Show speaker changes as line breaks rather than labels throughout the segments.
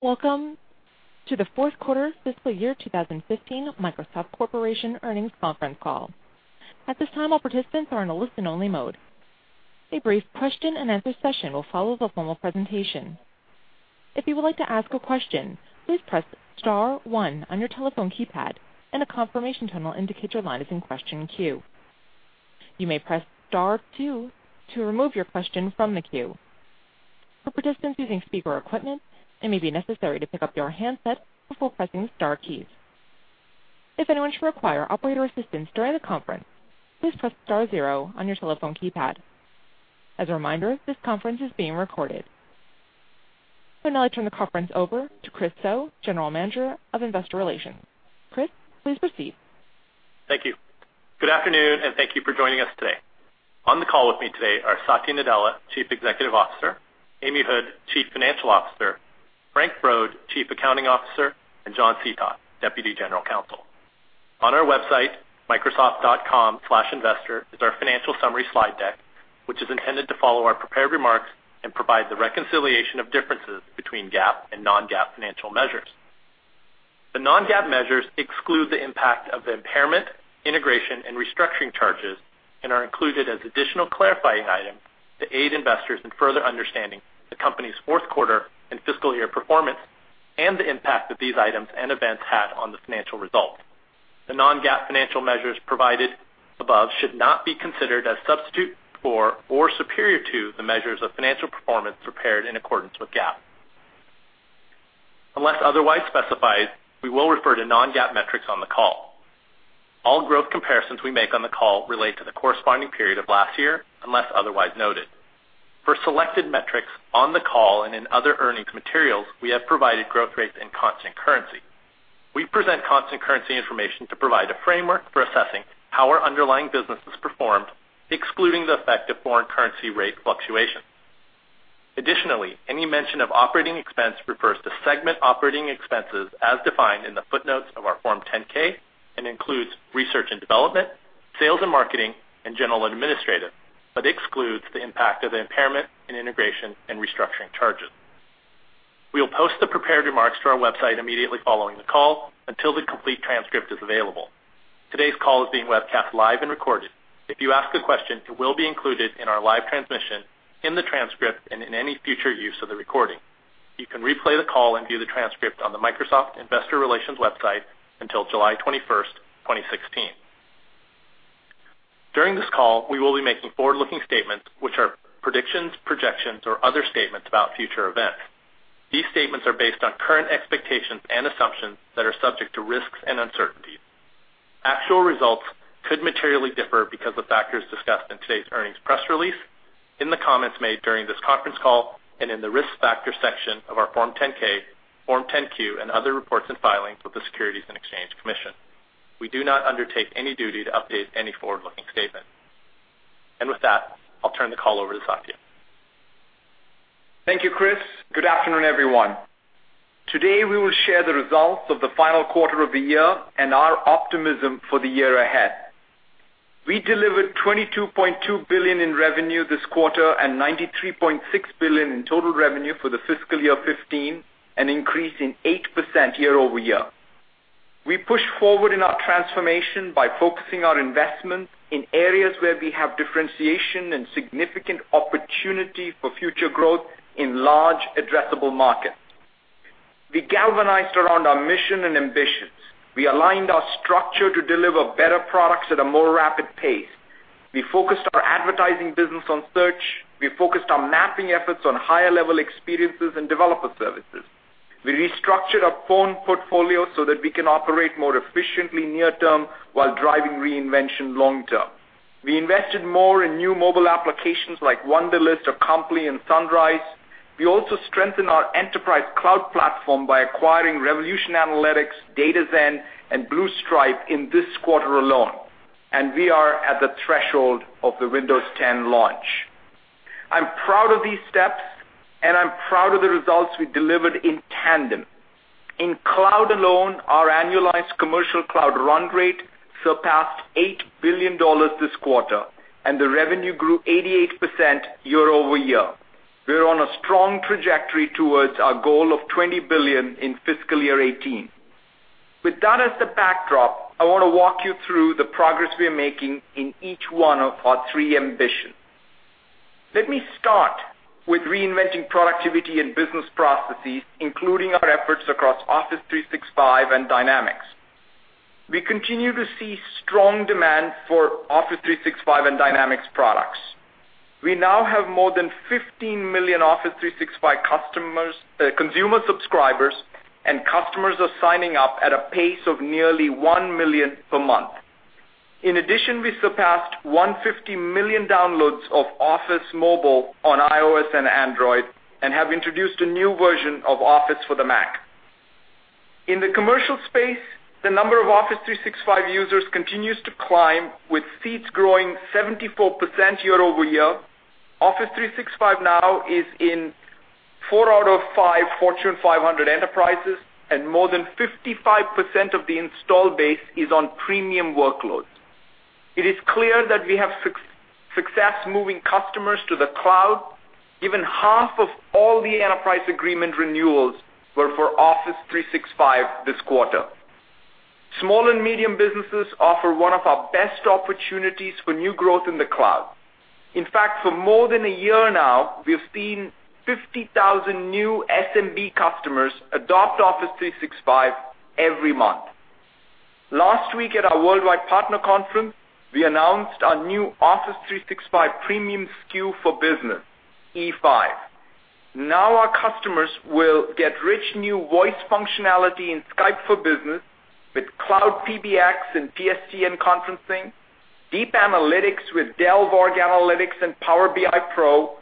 Welcome to the fourth quarter fiscal year 2015 Microsoft Corporation earnings conference call. At this time, all participants are in a listen-only mode. A brief question and answer session will follow the formal presentation. If you would like to ask a question, please press star one on your telephone keypad and a confirmation tone will indicate your line is in question queue. You may press star two to remove your question from the queue. For participants using speaker equipment, it may be necessary to pick up your handset before pressing the star keys. If anyone should require operator assistance during the conference, please press star zero on your telephone keypad. As a reminder, this conference is being recorded. I'll now turn the conference over to Chris Suh, General Manager of Investor Relations. Chris, please proceed.
Thank you. Good afternoon. Thank you for joining us today. On the call with me today are Satya Nadella, Chief Executive Officer, Amy Hood, Chief Financial Officer, Frank Brod, Chief Accounting Officer, and John Seethoff, Deputy General Counsel. On our website, microsoft.com/investor is our financial summary slide deck, which is intended to follow our prepared remarks and provide the reconciliation of differences between GAAP and non-GAAP financial measures. The non-GAAP measures exclude the impact of impairment, integration, and restructuring charges and are included as additional clarifying items to aid investors in further understanding the company's fourth quarter and fiscal year performance and the impact that these items and events had on the financial results. The non-GAAP financial measures provided above should not be considered as substitute for or superior to the measures of financial performance prepared in accordance with GAAP. Unless otherwise specified, we will refer to non-GAAP metrics on the call. All growth comparisons we make on the call relate to the corresponding period of last year, unless otherwise noted. For selected metrics on the call and in other earnings materials, we have provided growth rates in constant currency. We present constant currency information to provide a framework for assessing how our underlying business has performed, excluding the effect of foreign currency rate fluctuations. Additionally, any mention of operating expense refers to segment operating expenses as defined in the footnotes of our Form 10-K and includes research and development, sales and marketing, and general and administrative, but excludes the impact of the impairment in integration and restructuring charges. We will post the prepared remarks to our website immediately following the call until the complete transcript is available. Today's call is being webcast live and recorded. If you ask a question, it will be included in our live transmission, in the transcript, and in any future use of the recording. You can replay the call and view the transcript on the Microsoft Investor Relations website until July 21st, 2016. During this call, we will be making forward-looking statements, which are predictions, projections, or other statements about future events. These statements are based on current expectations and assumptions that are subject to risks and uncertainties. Actual results could materially differ because of factors discussed in today's earnings press release, in the comments made during this conference call, and in the risk factor section of our Form 10-K, Form 10-Q, and other reports and filings with the Securities and Exchange Commission. We do not undertake any duty to update any forward-looking statement. With that, I'll turn the call over to Satya.
Thank you, Chris. Good afternoon, everyone. Today, we will share the results of the final quarter of the year and our optimism for the year ahead. We delivered $22.2 billion in revenue this quarter and $93.6 billion in total revenue for the fiscal year 2015, an increase in 8% year-over-year. We pushed forward in our transformation by focusing our investments in areas where we have differentiation and significant opportunity for future growth in large addressable markets. We galvanized around our mission and ambitions. We aligned our structure to deliver better products at a more rapid pace. We focused our advertising business on search. We focused on mapping efforts on higher-level experiences and developer services. We restructured our phone portfolio so that we can operate more efficiently near term while driving reinvention long term. We invested more in new mobile applications like Wunderlist, Acompli and Sunrise. We also strengthened our enterprise cloud platform by acquiring Revolution Analytics, Datazen, and BlueStripe in this quarter alone, and we are at the threshold of the Windows 10 launch. I'm proud of these steps, and I'm proud of the results we delivered in tandem. In cloud alone, our annualized commercial cloud run rate surpassed $8 billion this quarter, and the revenue grew 88% year-over-year. We're on a strong trajectory towards our goal of $20 billion in fiscal year 2018. With that as the backdrop, I want to walk you through the progress we are making in each one of our three ambitions. Let me start with reinventing productivity and business processes, including our efforts across Office 365 and Dynamics. We continue to see strong demand for Office 365 and Dynamics products. We now have more than 15 million Office 365 consumer subscribers, and customers are signing up at a pace of nearly 1 million per month. In addition, we surpassed 150 million downloads of Office Mobile on iOS and Android and have introduced a new version of Office for the Mac. In the commercial space, the number of Office 365 users continues to climb, with seats growing 74% year-over-year. Office 365 now is in four out of five Fortune 500 enterprises, and more than 55% of the install base is on premium workloads. It is clear that we have success moving customers to the cloud, given half of all the enterprise agreement renewals were for Office 365 this quarter. Small and medium businesses offer one of our best opportunities for new growth in the cloud. In fact, for more than a year now, we have seen 50,000 new SMB customers adopt Office 365 every month. Last week at our Worldwide Partner Conference, we announced our new Office 365 premium SKU for business, E5. Now our customers will get rich new voice functionality in Skype for Business with cloud PBX and PSTN conferencing, deep analytics with Delve Analytics and Power BI Pro,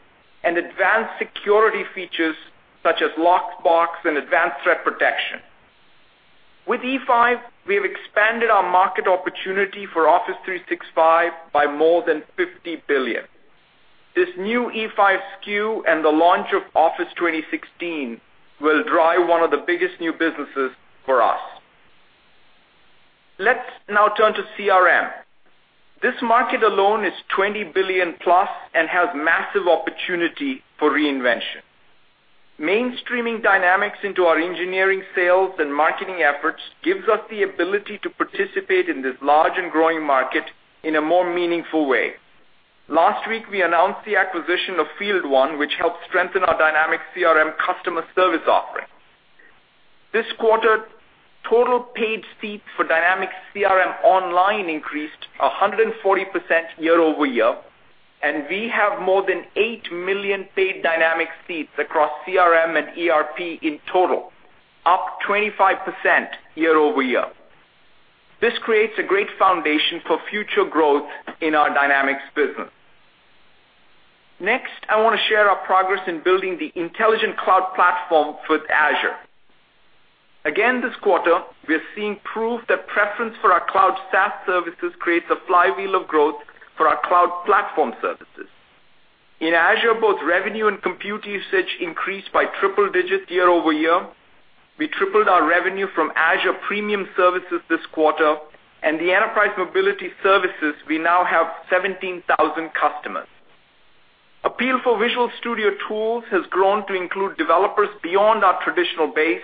and advanced security features such as Lockbox and Advanced Threat Protection. With E5, we have expanded our market opportunity for Office 365 by more than $50 billion. This new E5 SKU and the launch of Office 2016 will drive one of the biggest new businesses for us. Let's now turn to CRM. This market alone is $20 billion plus and has massive opportunity for reinvention. Mainstreaming Dynamics into our engineering, sales, and marketing efforts gives us the ability to participate in this large and growing market in a more meaningful way. Last week, we announced the acquisition of FieldOne, which helps strengthen our Dynamics CRM customer service offering. This quarter, total paid seats for Dynamics CRM Online increased 140% year-over-year, and we have more than 8 million paid Dynamics seats across CRM and ERP in total, up 25% year-over-year. This creates a great foundation for future growth in our Dynamics business. Next, I want to share our progress in building the intelligent cloud platform with Azure. Again, this quarter, we're seeing proof that preference for our cloud SaaS services creates a flywheel of growth for our cloud platform services. In Azure, both revenue and compute usage increased by triple digits year-over-year. We tripled our revenue from Azure premium services this quarter, and the enterprise mobility services, we now have 17,000 customers. Appeal for Visual Studio tools has grown to include developers beyond our traditional base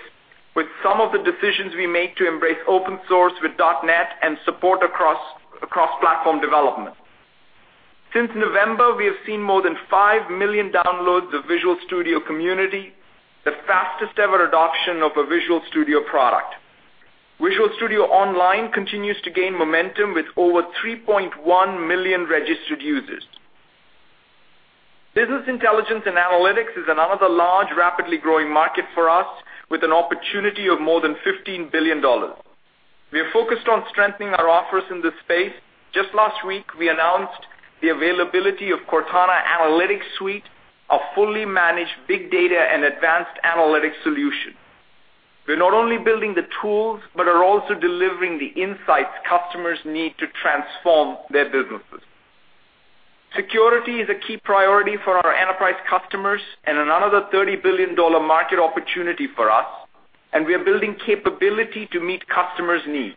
with some of the decisions we made to embrace open source with .NET and support across platform development. Since November, we have seen more than 5 million downloads of Visual Studio Community, the fastest-ever adoption of a Visual Studio product. Visual Studio Online continues to gain momentum with over 3.1 million registered users. Business intelligence and analytics is another large, rapidly growing market for us with an opportunity of more than $15 billion. We are focused on strengthening our offers in this space. Just last week, we announced the availability of Cortana Analytics Suite, a fully managed big data and advanced analytics solution. We're not only building the tools but are also delivering the insights customers need to transform their businesses. Security is a key priority for our enterprise customers and another $30 billion market opportunity for us. We are building capability to meet customers' needs.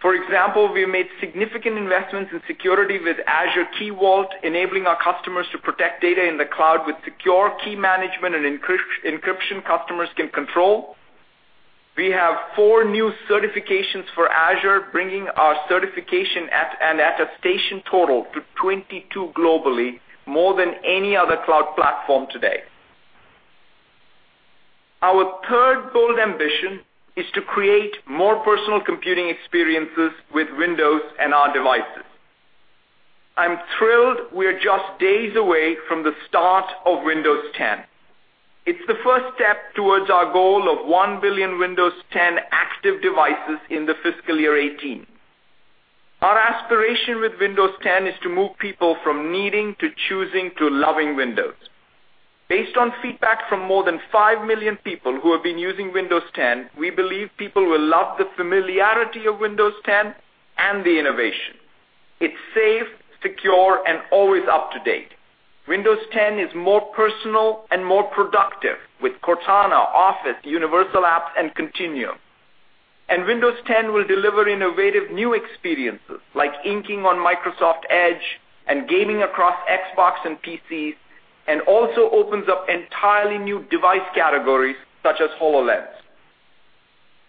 For example, we have made significant investments in security with Azure Key Vault, enabling our customers to protect data in the cloud with secure key management and encryption customers can control. We have four new certifications for Azure, bringing our certification and attestation total to 22 globally, more than any other cloud platform today. Our third bold ambition is to create more personal computing experiences with Windows and our devices. I'm thrilled we're just days away from the start of Windows 10. It's the first step towards our goal of 1 billion Windows 10 active devices in the FY 2018. Our aspiration with Windows 10 is to move people from needing to choosing to loving Windows. Based on feedback from more than 5 million people who have been using Windows 10, we believe people will love the familiarity of Windows 10 and the innovation. It's safe, secure, and always up to date. Windows 10 is more personal and more productive with Cortana, Office, Universal Windows Platform apps, and Continuum. Windows 10 will deliver innovative new experiences like inking on Microsoft Edge and gaming across Xbox and PCs, and also opens up entirely new device categories such as HoloLens.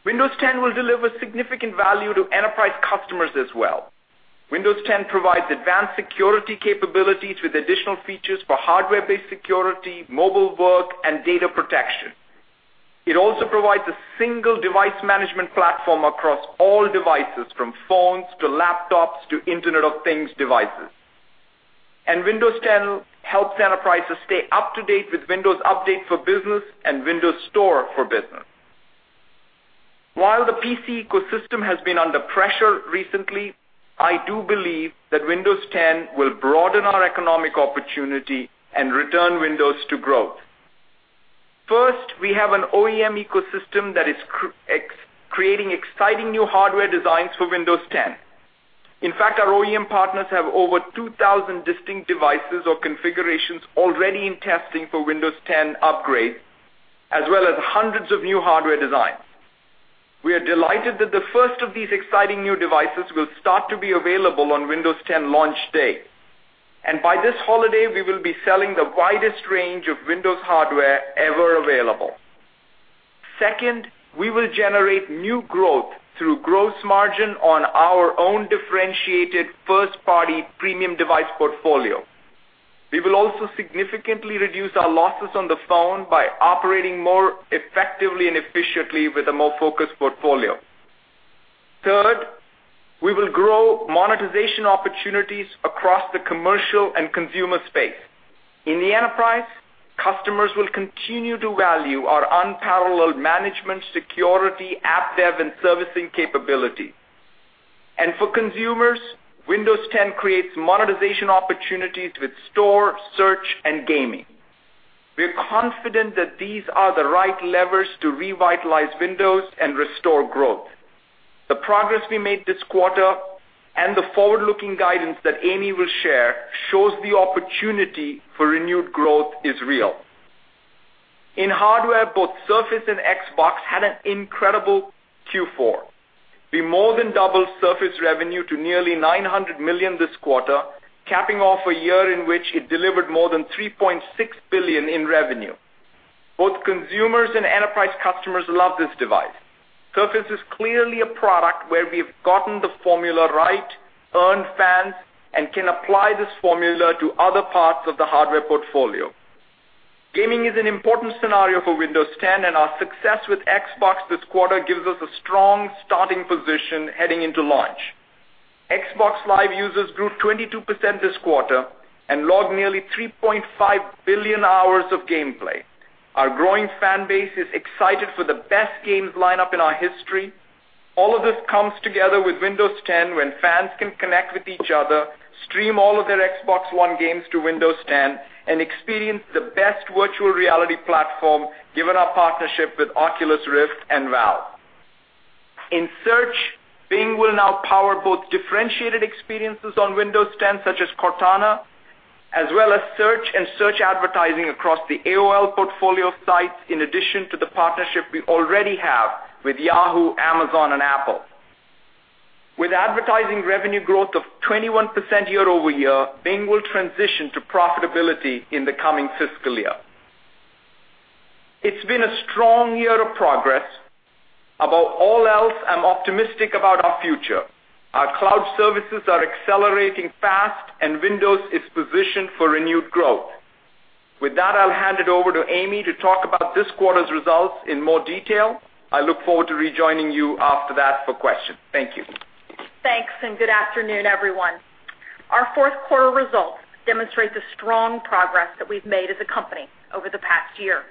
Windows 10 will deliver significant value to enterprise customers as well. Windows 10 provides advanced security capabilities with additional features for hardware-based security, mobile work, and data protection. It also provides a single device management platform across all devices, from phones to laptops to Internet of Things devices. Windows 10 helps enterprises stay up to date with Windows Update for Business and Windows Store for Business. While the PC ecosystem has been under pressure recently, I do believe that Windows 10 will broaden our economic opportunity and return Windows to growth. First, we have an OEM ecosystem that is creating exciting new hardware designs for Windows 10. In fact, our OEM partners have over 2,000 distinct devices or configurations already in testing for Windows 10 upgrade. As well as hundreds of new hardware designs. By this holiday, we will be selling the widest range of Windows hardware ever available. Second, we will generate new growth through gross margin on our own differentiated first-party premium device portfolio. We will also significantly reduce our losses on the phone by operating more effectively and efficiently with a more focused portfolio. Third, we will grow monetization opportunities across the commercial and consumer space. In the enterprise, customers will continue to value our unparalleled management, security, app dev, and servicing capability. For consumers, Windows 10 creates monetization opportunities with store, search, and gaming. We're confident that these are the right levers to revitalize Windows and restore growth. The progress we made this quarter and the forward-looking guidance that Amy will share shows the opportunity for renewed growth is real. In hardware, both Surface and Xbox had an incredible Q4. We more than doubled Surface revenue to nearly $900 million this quarter, capping off a year in which it delivered more than $3.6 billion in revenue. Both consumers and enterprise customers love this device. Surface is clearly a product where we've gotten the formula right, earned fans, and can apply this formula to other parts of the hardware portfolio. Gaming is an important scenario for Windows 10, and our success with Xbox this quarter gives us a strong starting position heading into launch. Xbox Live users grew 22% this quarter and logged nearly 3.5 billion hours of gameplay. Our growing fan base is excited for the best games lineup in our history. All of this comes together with Windows 10, when fans can connect with each other, stream all of their Xbox One games to Windows 10, and experience the best virtual reality platform, given our partnership with Oculus Rift and Valve. In search, Bing will now power both differentiated experiences on Windows 10, such as Cortana, as well as search and search advertising across the AOL portfolio of sites, in addition to the partnership we already have with Yahoo, Amazon, and Apple. With advertising revenue growth of 21% year-over-year, Bing will transition to profitability in the coming fiscal year. It's been a strong year of progress. Above all else, I'm optimistic about our future. Our cloud services are accelerating fast, and Windows is positioned for renewed growth. With that, I'll hand it over to Amy to talk about this quarter's results in more detail. I look forward to rejoining you after that for questions. Thank you.
Thanks, good afternoon, everyone. Our fourth quarter results demonstrate the strong progress that we've made as a company over the past year.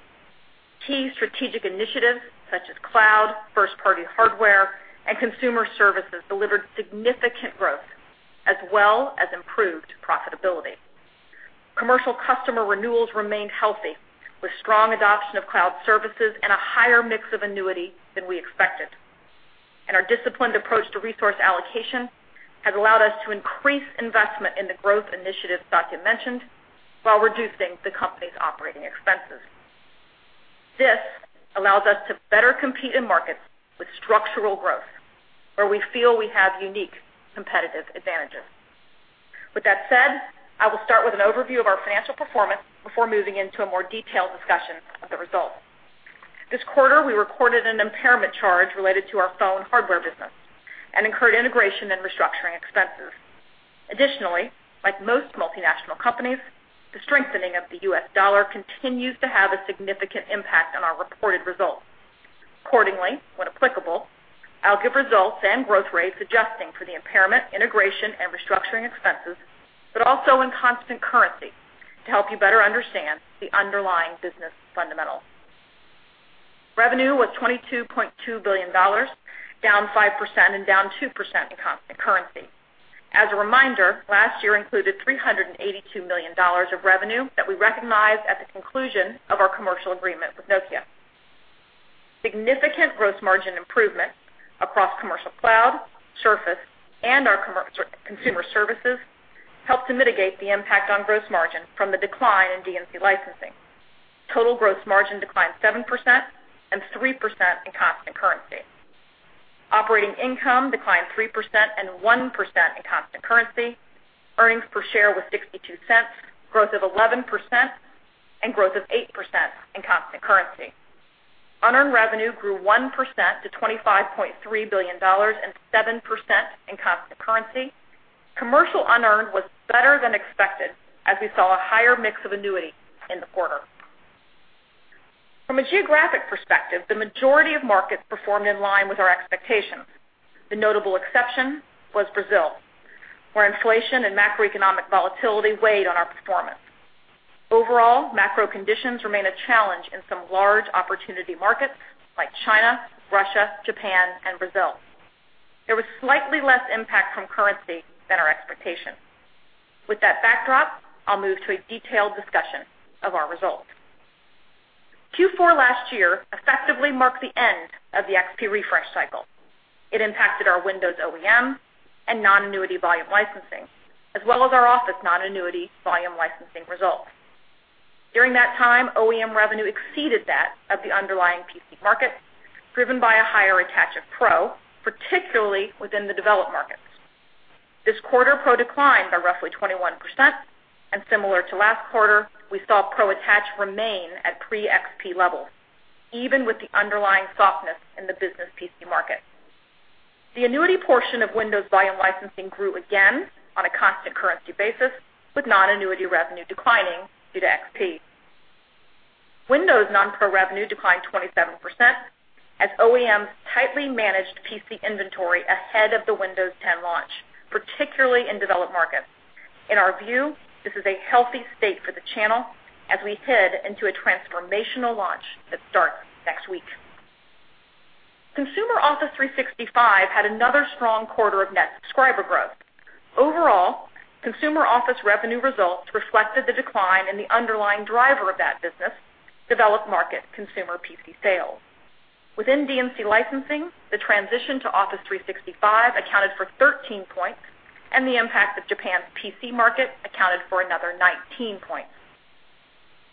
Key strategic initiatives such as cloud, first-party hardware, and consumer services delivered significant growth as well as improved profitability. Commercial customer renewals remained healthy, with strong adoption of cloud services and a higher mix of annuity than we expected. Our disciplined approach to resource allocation has allowed us to increase investment in the growth initiatives Satya mentioned while reducing the company's operating expenses. This allows us to better compete in markets with structural growth where we feel we have unique competitive advantages. With that said, I will start with an overview of our financial performance before moving into a more detailed discussion of the results. This quarter, we recorded an impairment charge related to our phone hardware business and incurred integration and restructuring expenses. Additionally, like most multinational companies, the strengthening of the US dollar continues to have a significant impact on our reported results. Accordingly, when applicable, I'll give results and growth rates adjusting for the impairment, integration, and restructuring expenses, but also in constant currency to help you better understand the underlying business fundamentals. Revenue was $22.2 billion, down 5% and down 2% in constant currency. As a reminder, last year included $382 million of revenue that we recognized at the conclusion of our commercial agreement with Nokia. Significant gross margin improvements across commercial cloud, Surface, and our consumer services helped to mitigate the impact on gross margin from the decline in D&C licensing. Total gross margin declined 7% and 3% in constant currency. Operating income declined 3% and 1% in constant currency. Earnings per share was $0.62, growth of 11%, and growth of 8% in constant currency. Unearned revenue grew 1% to $25.3 billion and 7% in constant currency. Commercial unearned was better than expected as we saw a higher mix of annuity in the quarter. From a geographic perspective, the majority of markets performed in line with our expectations. The notable exception was Brazil, where inflation and macroeconomic volatility weighed on our performance. Overall, macro conditions remain a challenge in some large opportunity markets like China, Russia, Japan, and Brazil. There was slightly less impact from currency than our expectations. With that backdrop, I'll move to a detailed discussion of our results. Q4 last year effectively marked the end of the XP refresh cycle. It impacted our Windows OEM and non-annuity volume licensing, as well as our Office non-annuity volume licensing results. During that time, OEM revenue exceeded that of the underlying PC market, driven by a higher attach of Pro, particularly within the developed markets. This quarter, Pro declined by roughly 21%, and similar to last quarter, we saw Pro attach remain at pre-XP levels, even with the underlying softness in the business PC market. The annuity portion of Windows volume licensing grew again on a constant currency basis, with non-annuity revenue declining due to XP. Windows non-Pro revenue declined 27% as OEMs tightly managed PC inventory ahead of the Windows 10 launch, particularly in developed markets. In our view, this is a healthy state for the channel as we head into a transformational launch that starts next week. Consumer Office 365 had another strong quarter of net subscriber growth. Overall, consumer Office revenue results reflected the decline in the underlying driver of that business, developed market consumer PC sales. Within D&C licensing, the transition to Office 365 accounted for 13 points, the impact of Japan's PC market accounted for another 19 points.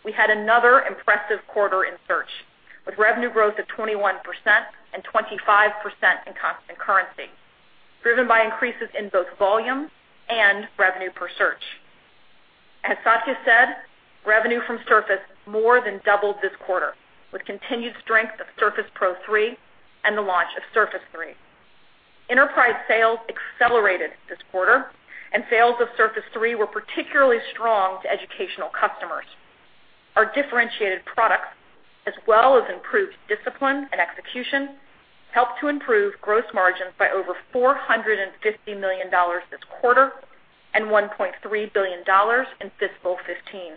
We had another impressive quarter in Search, with revenue growth of 21% and 25% in constant currency, driven by increases in both volume and revenue per search. As Satya said, revenue from Surface more than doubled this quarter, with continued strength of Surface Pro 3 and the launch of Surface 3. Enterprise sales accelerated this quarter, and sales of Surface 3 were particularly strong to educational customers. Our differentiated products, as well as improved discipline and execution, helped to improve gross margins by over $450 million this quarter and $1.3 billion in fiscal 2015.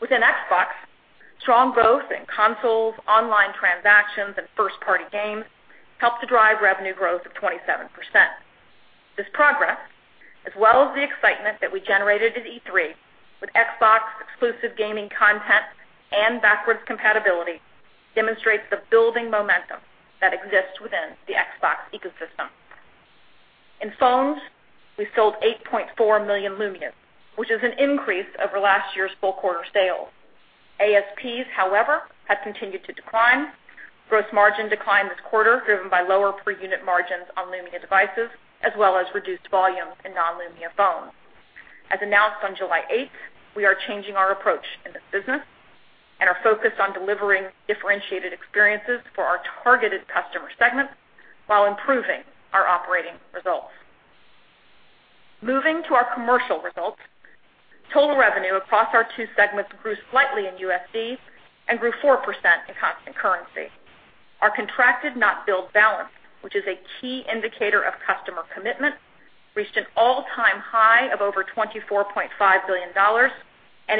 Within Xbox, strong growth in consoles, online transactions, and first-party games helped to drive revenue growth of 27%. This progress, as well as the excitement that we generated at E3 with Xbox exclusive gaming content and backwards compatibility, demonstrates the building momentum that exists within the Xbox ecosystem. In phones, we sold 8.4 million Lumias, which is an increase over last year's full-quarter sales. ASPs, however, have continued to decline. Gross margin declined this quarter, driven by lower per-unit margins on Lumia devices, as well as reduced volume in non-Lumia phones. As announced on July 8th, we are changing our approach in this business and are focused on delivering differentiated experiences for our targeted customer segments while improving our operating results. Moving to our commercial results, total revenue across our two segments grew slightly in USD and grew 4% in constant currency. Our contracted not billed balance, which is a key indicator of customer commitment, reached an all-time high of over $24.5 billion.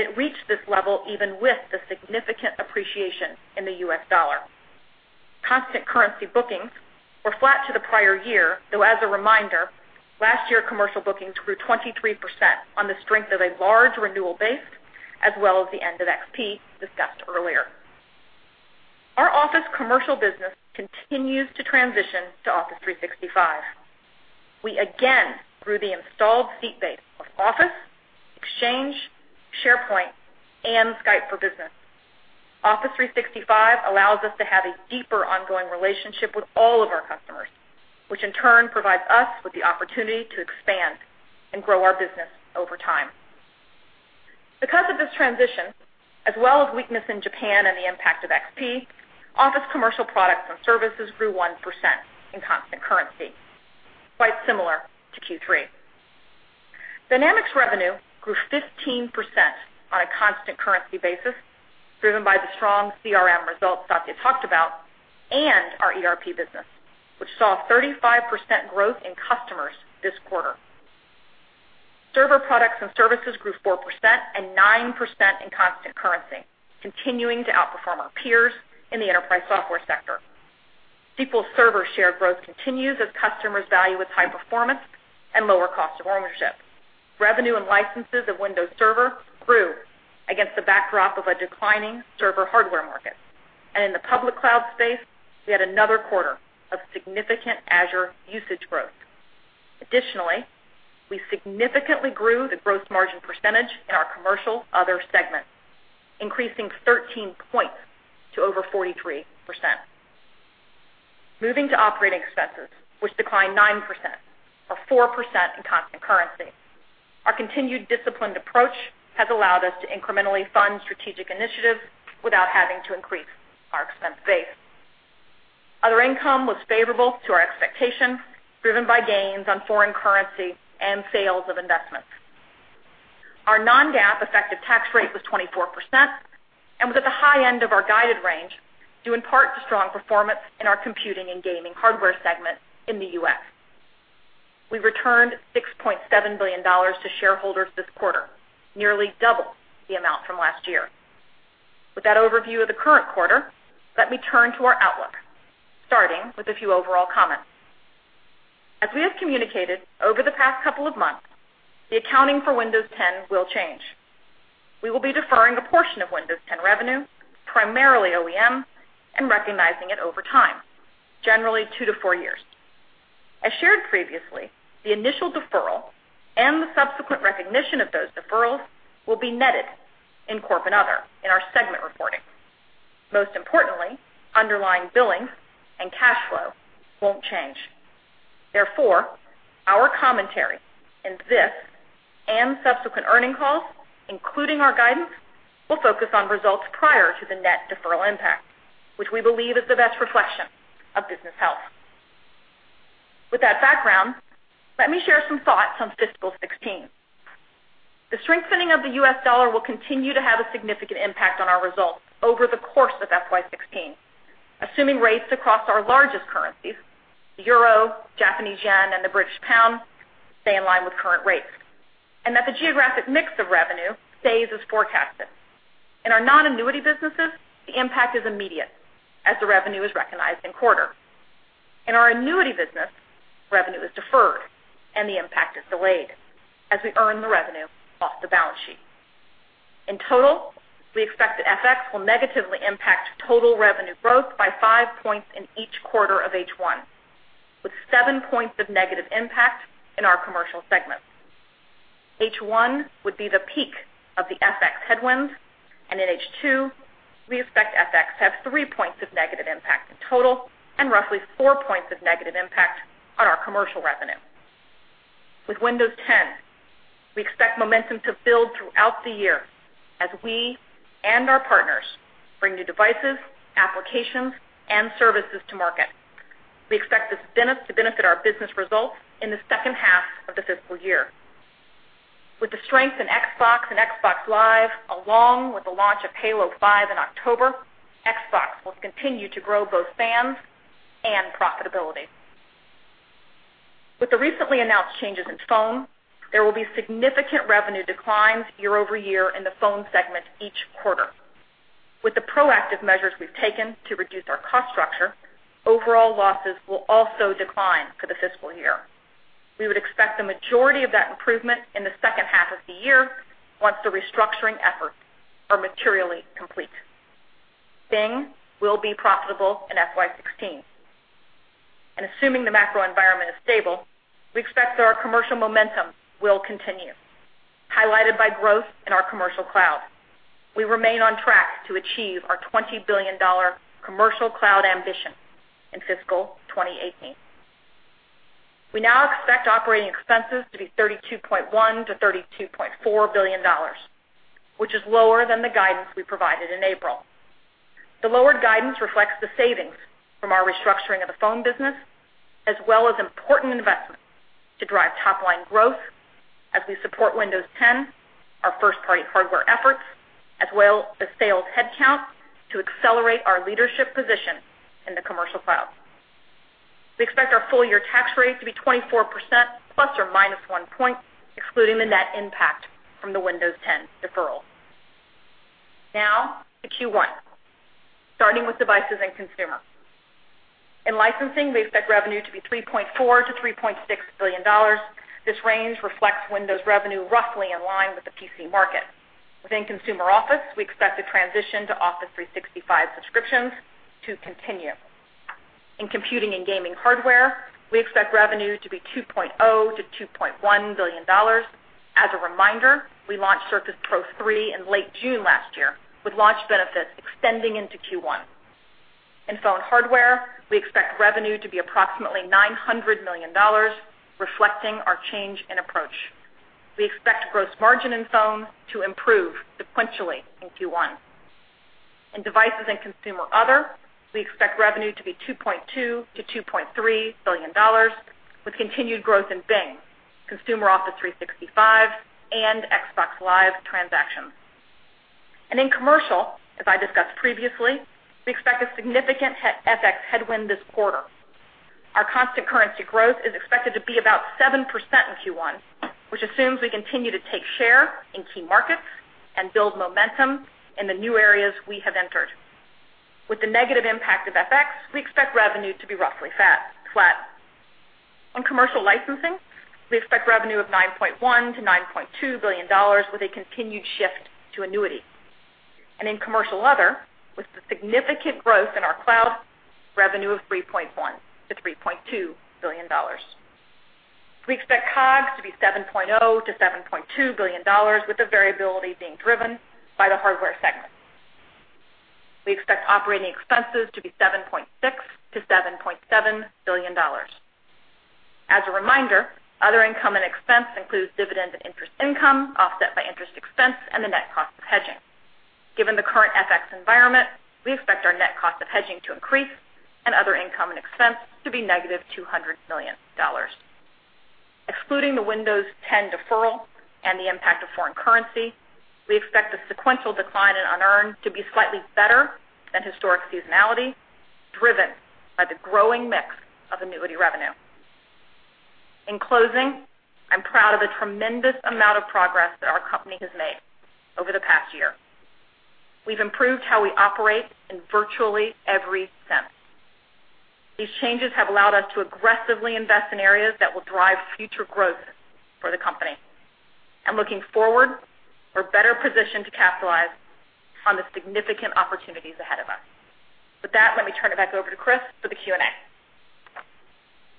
It reached this level even with the significant appreciation in the US dollar. Constant currency bookings were flat to the prior year. As a reminder, last year commercial bookings grew 23% on the strength of a large renewal base, as well as the end of XP discussed earlier. Our Office commercial business continues to transition to Office 365. We again grew the installed seat base of Office, Exchange, SharePoint, and Skype for Business. Office 365 allows us to have a deeper ongoing relationship with all of our customers, which in turn provides us with the opportunity to expand and grow our business over time. Because of this transition, as well as weakness in Japan and the impact of XP, Office commercial products and services grew 1% in constant currency, quite similar to Q3. Dynamics revenue grew 15% on a constant currency basis, driven by the strong CRM results Satya talked about and our ERP business, which saw 35% growth in customers this quarter. Server products and services grew 4% and 9% in constant currency, continuing to outperform our peers in the enterprise software sector. SQL Server shared growth continues as customers value its high performance and lower cost of ownership. Revenue and licenses of Windows Server grew against the backdrop of a declining server hardware market. In the public cloud space, we had another quarter of significant Azure usage growth. Additionally, we significantly grew the gross margin percentage in our commercial other segment, increasing 13 points to over 43%. Moving to operating expenses, which declined 9%, or 4% in constant currency. Our continued disciplined approach has allowed us to incrementally fund strategic initiatives without having to increase our expense base. Other income was favorable to our expectations, driven by gains on foreign currency and sales of investments. Our non-GAAP effective tax rate was 24% and was at the high end of our guided range, due in part to strong performance in our computing and gaming hardware segment in the U.S. We returned $6.7 billion to shareholders this quarter, nearly double the amount from last year. With that overview of the current quarter, let me turn to our outlook, starting with a few overall comments. As we have communicated over the past couple of months, the accounting for Windows 10 will change. We will be deferring a portion of Windows 10 revenue, primarily OEM, and recognizing it over time, generally 2 to 4 years. As shared previously, the initial deferral and the subsequent recognition of those deferrals will be netted in corp and other in our segment reporting. Most importantly, underlying billing and cash flow won't change. Therefore, our commentary in this and subsequent earnings calls, including our guidance, will focus on results prior to the net deferral impact, which we believe is the best reflection of business health. With that background, let me share some thoughts on fiscal 2016. The strengthening of the U.S. dollar will continue to have a significant impact on our results over the course of FY 2016. Assuming rates across our largest currencies, the euro, Japanese yen, and the British pound, stay in line with current rates, and that the geographic mix of revenue stays as forecasted. In our non-annuity businesses, the impact is immediate as the revenue is recognized in quarter. In our annuity business, revenue is deferred and the impact is delayed as we earn the revenue off the balance sheet. In total, we expect that FX will negatively impact total revenue growth by five points in each quarter of H1, with seven points of negative impact in our commercial segments. H1 would be the peak of the FX headwinds, and in H2, we expect FX to have three points of negative impact in total and roughly four points of negative impact on our commercial revenue. With Windows 10, we expect momentum to build throughout the year as we and our partners bring new devices, applications, and services to market. We expect this to benefit our business results in the second half of the fiscal year. With the strength in Xbox and Xbox Live, along with the launch of Halo 5 in October, Xbox will continue to grow both fans and profitability. With the recently announced changes in phone, there will be significant revenue declines year-over-year in the phone segment each quarter. With the proactive measures we've taken to reduce our cost structure, overall losses will also decline for the fiscal year. We would expect the majority of that improvement in the second half of the year once the restructuring efforts are materially complete. Bing will be profitable in FY 2016. Assuming the macro environment is stable, we expect that our commercial momentum will continue, highlighted by growth in our commercial cloud. We remain on track to achieve our $20 billion commercial cloud ambition in fiscal 2018. We now expect OpEx to be $32.1 billion-$32.4 billion, which is lower than the guidance we provided in April. The lower guidance reflects the savings from our restructuring of the phone business, as well as important investments to drive top-line growth as we support Windows 10, our first-party hardware efforts, as well as sales headcount to accelerate our leadership position in the commercial cloud. We expect our full-year tax rate to be 24% plus or minus one point, excluding the net impact from the Windows 10 deferral. To Q1, starting with Devices and Consumer. In licensing, we expect revenue to be $3.4 billion-$3.6 billion. This range reflects Windows revenue roughly in line with the PC market. Within Consumer Office, we expect the transition to Office 365 subscriptions to continue. In computing and gaming hardware, we expect revenue to be $2.0 billion-$2.1 billion. As a reminder, we launched Surface Pro 3 in late June last year, with launch benefits extending into Q1. In phone hardware, we expect revenue to be approximately $900 million, reflecting our change in approach. We expect gross margin in phone to improve sequentially in Q1. In Devices and Consumer other, we expect revenue to be $2.2 billion-$2.3 billion, with continued growth in Bing, Consumer Office 365, and Xbox Live transactions. In commercial, as I discussed previously, we expect a significant FX headwind this quarter. Our constant currency growth is expected to be about 7% in Q1, which assumes we continue to take share in key markets and build momentum in the new areas we have entered. With the negative impact of FX, we expect revenue to be roughly flat. On commercial licensing, we expect revenue of $9.1 billion-$9.2 billion with a continued shift to annuity. In commercial other, with the significant growth in our cloud, revenue of $3.1 billion-$3.2 billion. We expect COGS to be $7.0 billion-$7.2 billion, with the variability being driven by the hardware segment. We expect operating expenses to be $7.6 billion-$7.7 billion. As a reminder, other income and expense includes dividends and interest income, offset by interest expense and the net cost of hedging. Given the current FX environment, we expect our net cost of hedging to increase and other income and expense to be negative $200 million. Excluding the Windows 10 deferral and the impact of foreign currency, we expect the sequential decline in unearned to be slightly better than historic seasonality, driven by the growing mix of annuity revenue. In closing, I'm proud of the tremendous amount of progress that our company has made over the past year. We've improved how we operate in virtually every sense. These changes have allowed us to aggressively invest in areas that will drive future growth for the company. I'm looking forward. We're better positioned to capitalize on the significant opportunities ahead of us. With that, let me turn it back over to Chris for the Q&A.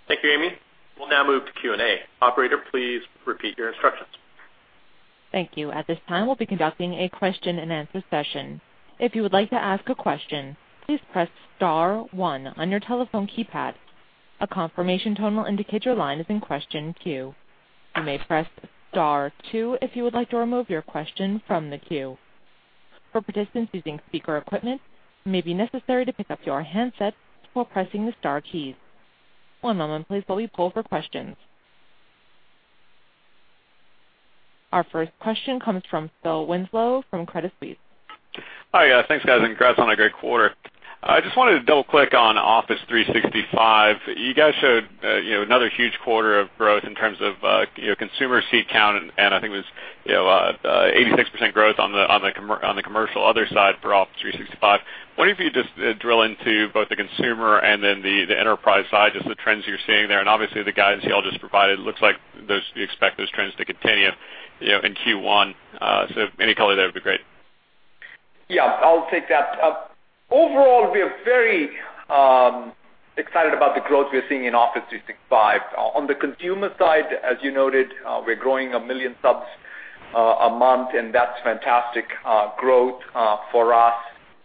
Thank you, Amy. We'll now move to Q&A. Operator, please repeat your instructions.
Thank you. At this time, we'll be conducting a question and answer session. If you would like to ask a question, please press star one on your telephone keypad. A confirmation tone will indicate your line is in question queue. You may press star two if you would like to remove your question from the queue. For participants using speaker equipment, it may be necessary to pick up your handset while pressing the star keys. One moment please, while we poll for questions. Our first question comes from Philip Winslow from Credit Suisse.
Hi. Thanks, guys, congrats on a great quarter. I just wanted to double-click on Office 365. You guys showed another huge quarter of growth in terms of consumer seat count, I think it was 86% growth on the commercial other side for Office 365. Wonder if you could just drill into both the consumer and then the enterprise side, just the trends you're seeing there. Obviously, the guidance you all just provided looks like you expect those trends to continue in Q1. Any color there would be great.
Yeah, I'll take that. Overall, we are very excited about the growth we're seeing in Office 365. On the consumer side, as you noted, we're growing 1 million subs a month, and that's fantastic growth for us.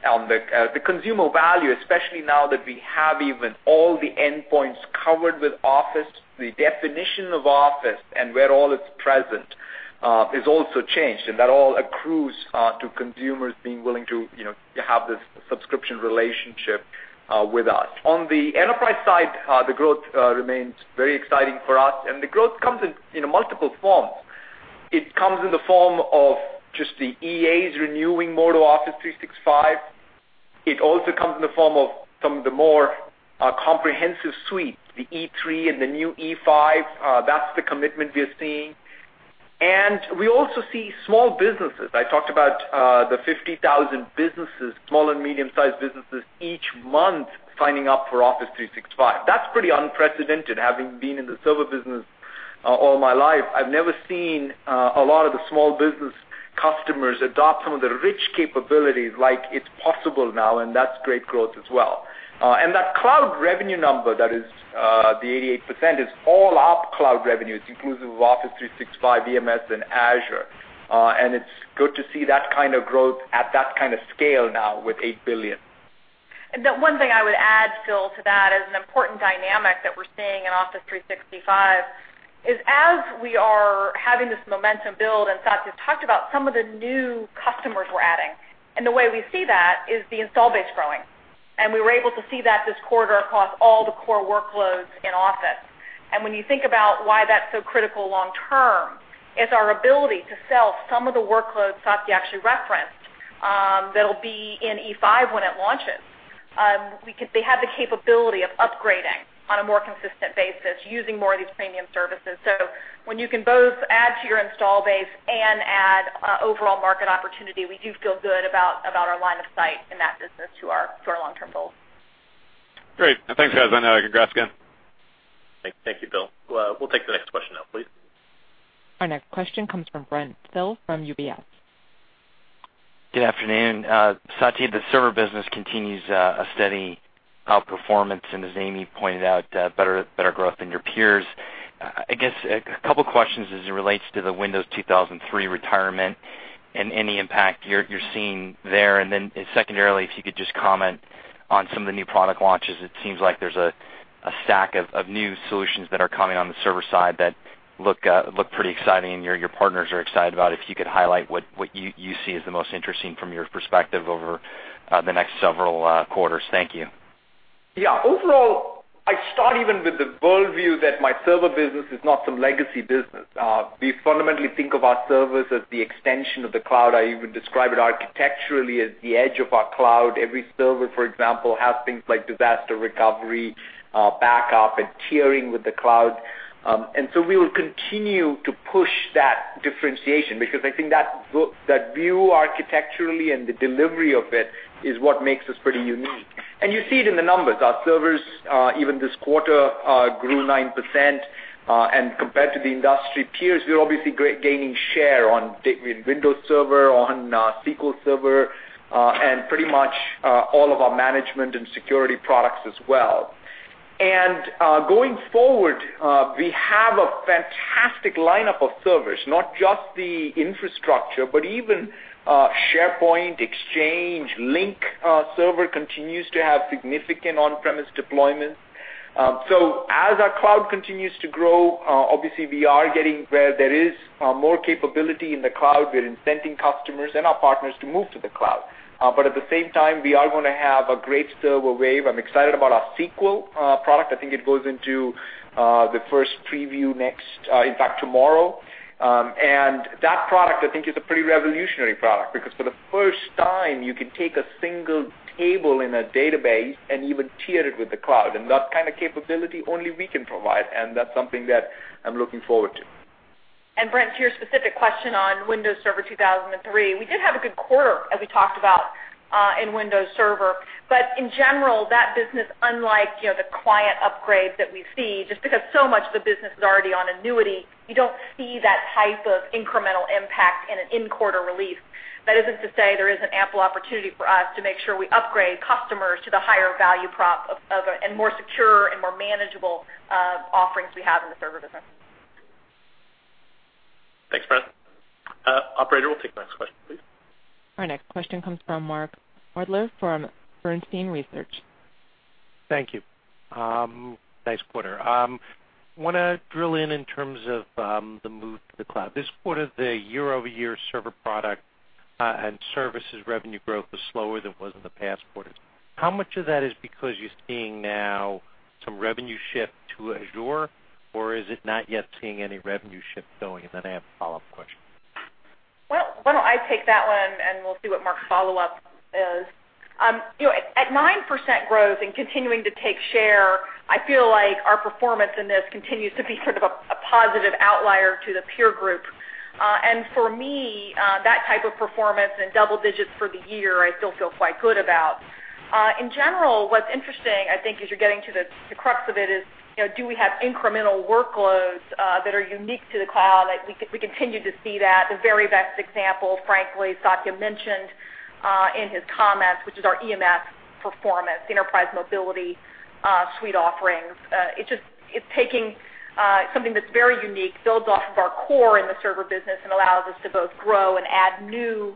The consumer value, especially now that we have even all the endpoints covered with Office, the definition of Office and where all it's present has also changed, and that all accrues to consumers being willing to have this subscription relationship with us. On the enterprise side, the growth remains very exciting for us, and the growth comes in multiple forms. It comes in the form of just the EAs renewing more to Office 365. It also comes in the form of some of the more comprehensive suites, the E3 and the new E5. That's the commitment we are seeing. We also see small businesses. I talked about the 50,000 businesses, small and medium-sized businesses, each month signing up for Office 365. That's pretty unprecedented. Having been in the server business all my life, I've never seen a lot of the small business customers adopt some of the rich capabilities like it's possible now, that's great growth as well. That cloud revenue number, that is the 88%, is all up cloud revenues, inclusive of Office 365, EMS, and Azure. It's good to see that kind of growth at that kind of scale now with $8 billion.
The one thing I would add, Phil, to that is an important dynamic that we're seeing in Office 365 is as we are having this momentum build, Satya talked about some of the new customers we're adding, the way we see that is the install base growing. We were able to see that this quarter across all the core workloads in Office. When you think about why that's so critical long term, it's our ability to sell some of the workloads Satya actually referenced that'll be in E5 when it launches. They have the capability of upgrading on a more consistent basis using more of these premium services. When you can both add to your install base and add overall market opportunity, we do feel good about our line of sight in that business to our long-term goals.
Great. Thanks, guys. Congrats again.
Thank you, Phil. We'll take the next question now, please.
Our next question comes from Brent Thill from UBS.
Good afternoon. Satya, the server business continues a steady outperformance as Amy pointed out, better growth than your peers. I guess a couple questions as it relates to the Windows 2003 retirement and any impact you're seeing there. Secondarily, if you could just comment on some of the new product launches. It seems like there's a stack of new solutions that are coming on the server side that look pretty exciting, and your partners are excited about. If you could highlight what you see as the most interesting from your perspective over the next several quarters. Thank you.
Overall, I start even with the worldview that my server business is not some legacy business. We fundamentally think of our servers as the extension of the cloud. I even describe it architecturally as the edge of our cloud. Every server, for example, has things like disaster recovery, backup, and tiering with the cloud. So we will continue to push that differentiation because I think that view architecturally and the delivery of it is what makes us pretty unique. You see it in the numbers. Our servers, even this quarter, grew 9%. Compared to the industry peers, we're obviously gaining share on Windows Server, on SQL Server, and pretty much all of our management and security products as well. Going forward, we have a fantastic lineup of servers, not just the infrastructure, but even SharePoint, Exchange. Lync Server continues to have significant on-premise deployments. As our cloud continues to grow, obviously we are getting where there is more capability in the cloud. We're incenting customers and our partners to move to the cloud. At the same time, we are going to have a great server wave. I'm excited about our SQL product. I think it goes into the first preview next, in fact, tomorrow. That product, I think, is a pretty revolutionary product because for the first time, you can take a single table in a database and even tier it with the cloud, and that kind of capability only we can provide, and that's something that I'm looking forward to.
Brent, to your specific question on Windows Server 2003, we did have a good quarter, as we talked about in Windows Server. In general, that business, unlike the client upgrade that we see, just because so much of the business is already on annuity, you don't see that type of incremental impact in an in-quarter release. That isn't to say there isn't ample opportunity for us to make sure we upgrade customers to the higher value prop and more secure and more manageable offerings we have in the server business.
Thanks, Brent. Operator, we'll take the next question, please.
Our next question comes from Mark Moerdler from Bernstein Research.
Thank you. Nice quarter. Want to drill in terms of the move to the cloud. This quarter, the year-over-year server product and services revenue growth was slower than it was in the past quarters. How much of that is because you're seeing now some revenue shift to Azure, or is it not yet seeing any revenue shift going? Then I have a follow-up question.
Well, why don't I take that one, and we'll see what Mark's follow-up is. At 9% growth and continuing to take share, I feel like our performance in this continues to be sort of a positive outlier to the peer group. For me, that type of performance in double digits for the year, I still feel quite good about. In general, what's interesting, I think, as you're getting to the crux of it, is do we have incremental workloads that are unique to the cloud? We continue to see that. The very best example, frankly, Satya mentioned in his comments, which is our EMS performance, Enterprise Mobility Suite offerings. It's taking something that's very unique, builds off of our core in the server business, and allows us to both grow and add new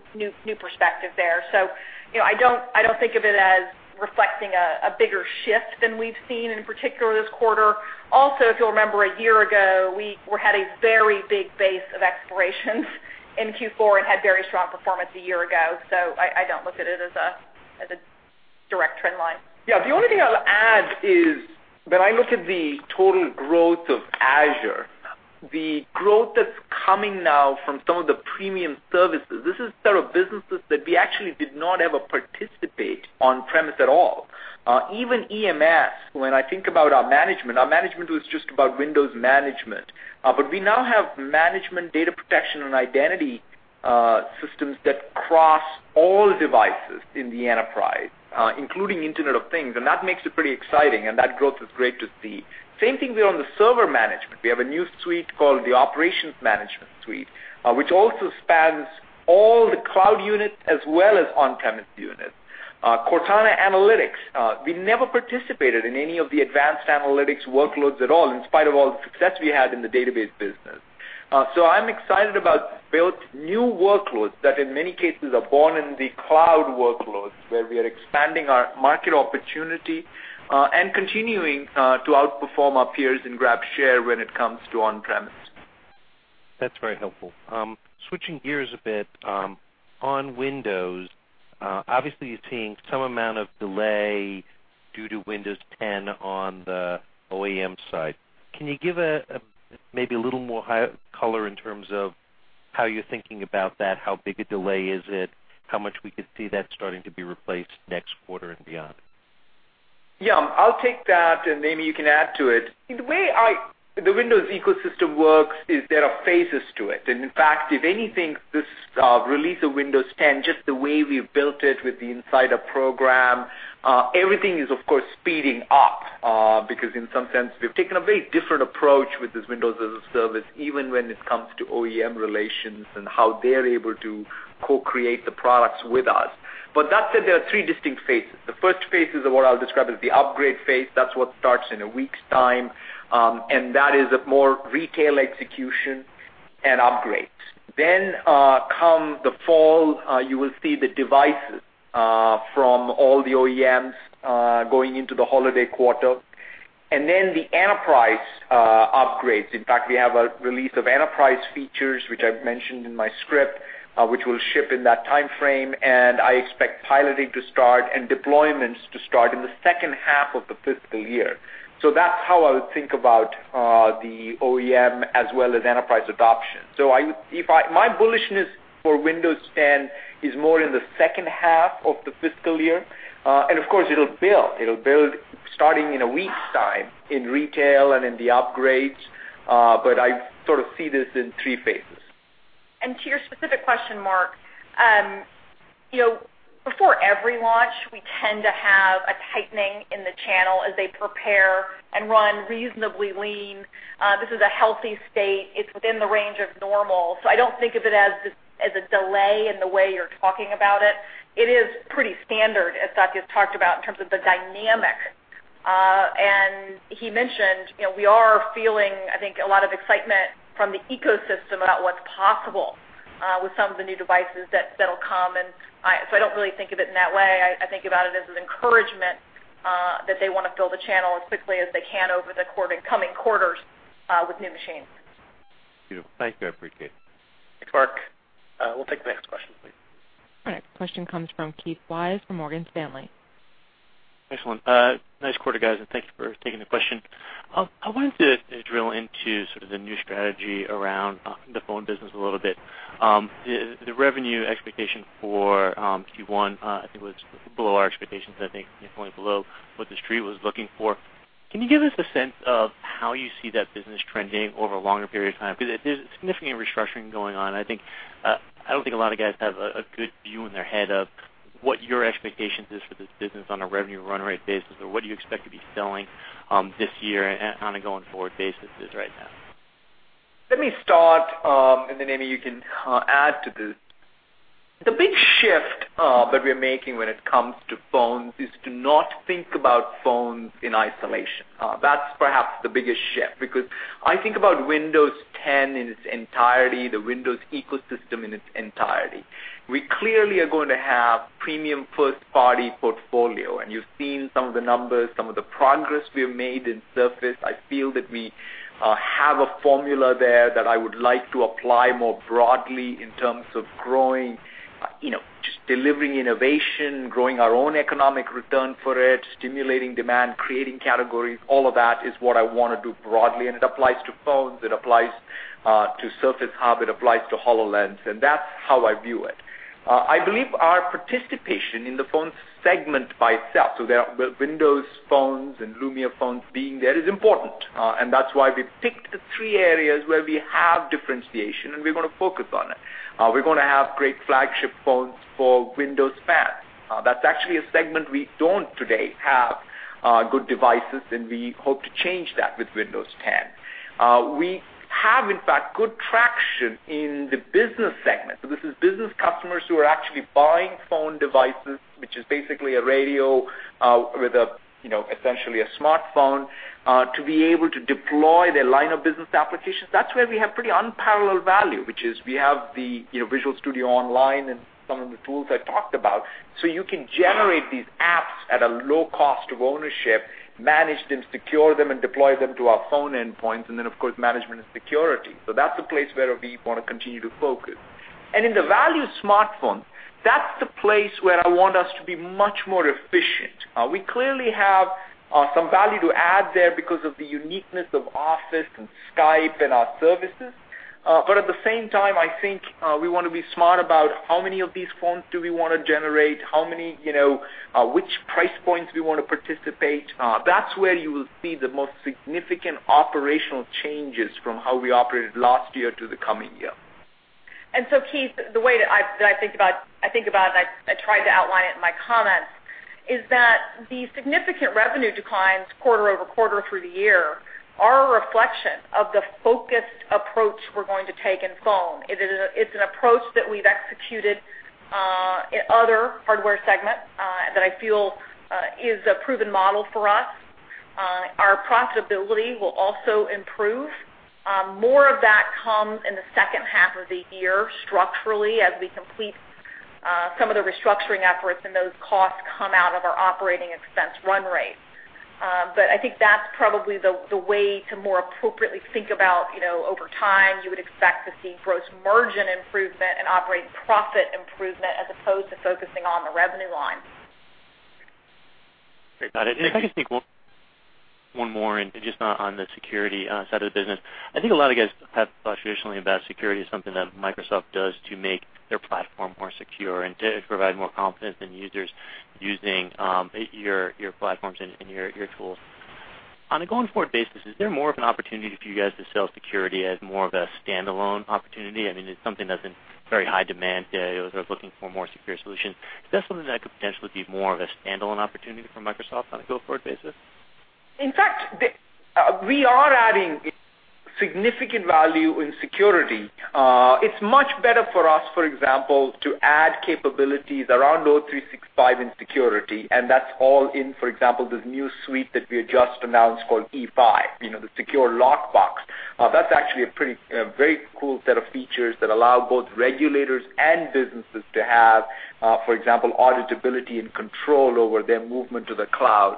perspective there. I don't think of it as reflecting a bigger shift than we've seen in particular this quarter. Also, if you'll remember a year ago, we had a very big base of expirations in Q4 and had very strong performance a year ago. I don't look at it as a direct trend line.
Yeah. The only thing I'll add is when I look at the total growth of Azure, the growth that's coming now from some of the premium services, this is the sort of businesses that we actually did not ever participate on-premise at all. Even EMS, when I think about our management, our management was just about Windows management. We now have management data protection and identity systems that cross all devices in the enterprise, including Internet of Things, and that makes it pretty exciting, and that growth is great to see. Same thing with on the server management. We have a new suite called the Operations Management Suite, which also spans all the cloud units as well as on-premise units. Cortana Analytics. We never participated in any of the advanced analytics workloads at all, in spite of all the success we had in the database business. I'm excited about built new workloads that in many cases are born in the cloud workloads, where we are expanding our market opportunity and continuing to outperform our peers and grab share when it comes to on-premise.
That's very helpful. Switching gears a bit, on Windows, obviously you're seeing some amount of delay due to Windows 10 on the OEM side. Can you give maybe a little more color in terms of how you're thinking about that? How big a delay is it? How much we could see that starting to be replaced next quarter and beyond?
Yeah. I'll take that, maybe you can add to it. The way the Windows ecosystem works is there are phases to it. In fact, if anything, this release of Windows 10, just the way we've built it with the insider program, everything is of course, speeding up. Because in some sense, we've taken a very different approach with this Windows as a service, even when it comes to OEM relations and how they're able to co-create the products with us. That said, there are 3 distinct phases. The first phase is what I'll describe as the upgrade phase. That's what starts in a week's time, that is more retail execution and upgrades. Come the fall, you will see the devices from all the OEMs going into the holiday quarter. Then the enterprise upgrades. In fact, we have a release of enterprise features, which I've mentioned in my script, which will ship in that timeframe, I expect piloting to start and deployments to start in the second half of the fiscal year. That's how I would think about the OEM as well as enterprise adoption. My bullishness for Windows 10 is more in the second half of the fiscal year. Of course, it'll build. It'll build starting in a week's time in retail and in the upgrades. I sort of see this in 3 phases.
To your specific question, Mark, before every launch, we tend to have a tightening in the channel as they prepare and run reasonably lean. This is a healthy state. It's within the range of normal. I don't think of it as a delay in the way you're talking about it. It is pretty standard, as Satya's talked about, in terms of the dynamic. He mentioned we are feeling, I think, a lot of excitement from the ecosystem about what's possible with some of the new devices that'll come. I don't really think of it in that way. I think about it as an encouragement that they want to build a channel as quickly as they can over the coming quarters with new machines.
Beautiful. Thank you. I appreciate it.
Thanks, Mark. We'll take the next question, please.
Our next question comes from Keith Weiss from Morgan Stanley.
Excellent. Nice quarter, guys, and thank you for taking the question. I wanted to drill into sort of the new strategy around the phone business a little bit. The revenue expectation for Q1, I think, was below our expectations, I think, and definitely below what the Street was looking for. Can you give us a sense of how you see that business trending over a longer period of time? There's significant restructuring going on. I don't think a lot of guys have a good view in their head of what your expectations is for this business on a revenue run rate basis, or what do you expect to be selling this year on a going-forward basis is right now.
Let me start, and then, Amy, you can add to this. The big shift that we're making when it comes to phones is to not think about phones in isolation. That's perhaps the biggest shift, because I think about Windows 10 in its entirety, the Windows ecosystem in its entirety. We clearly are going to have premium first-party portfolio, and you've seen some of the numbers, some of the progress we have made in Surface. I feel that we have a formula there that I would like to apply more broadly in terms of growing, just delivering innovation, growing our own economic return for it, stimulating demand, creating categories. All of that is what I want to do broadly, and it applies to phones, it applies to Surface Hub, it applies to HoloLens, and that's how I view it. I believe our participation in the phone segment by itself, Windows phones and Lumia phones being there is important, and that's why we picked the three areas where we have differentiation. We're going to focus on it. We're going to have great flagship phones for Windows fans. That's actually a segment we don't today have good devices, and we hope to change that with Windows 10. We have, in fact, good traction in the business segment. This is business customers who are actually buying phone devices, which is basically a radio with essentially a smartphone, to be able to deploy their line of business applications. That's where we have pretty unparalleled value, which is we have the Visual Studio Online and some of the tools I talked about. You can generate these apps at a low cost of ownership, manage them, secure them, and deploy them to our phone endpoints, and then, of course, management and security. That's a place where we want to continue to focus. In the value smartphone, that's the place where I want us to be much more efficient. We clearly have some value to add there because of the uniqueness of Office and Skype and our services. At the same time, I think we want to be smart about how many of these phones do we want to generate, which price points we want to participate. That's where you will see the most significant operational changes from how we operated last year to the coming year.
Keith, the way that I think about it, I tried to outline it in my comments, is that the significant revenue declines quarter-over-quarter through the year are a reflection of the focused approach we're going to take in phone. It's an approach that we've executed in other hardware segments that I feel is a proven model for us. Our profitability will also improve. More of that comes in the second half of the year structurally, as we complete some of the restructuring efforts, and those costs come out of our operating expense run rate. I think that's probably the way to more appropriately think about over time, you would expect to see gross margin improvement and operating profit improvement as opposed to focusing on the revenue line.
Great. Got it. If I could speak one more, just on the security side of the business. I think a lot of guys have thought traditionally about security as something that Microsoft does to make their platform more secure and to provide more confidence in users using your platforms and your tools. On a going forward basis, is there more of an opportunity for you guys to sell security as more of a standalone opportunity? I mean, it's something that's in very high demand today with folks looking for more secure solutions. Is that something that could potentially be more of a standalone opportunity for Microsoft on a go-forward basis?
In fact, we are adding significant value in security. It's much better for us, for example, to add capabilities around O365 in security, and that's all in, for example, this new suite that we just announced called E5, the Customer Lockbox. That's actually a very cool set of features that allow both regulators and businesses to have, for example, auditability and control over their movement to the cloud.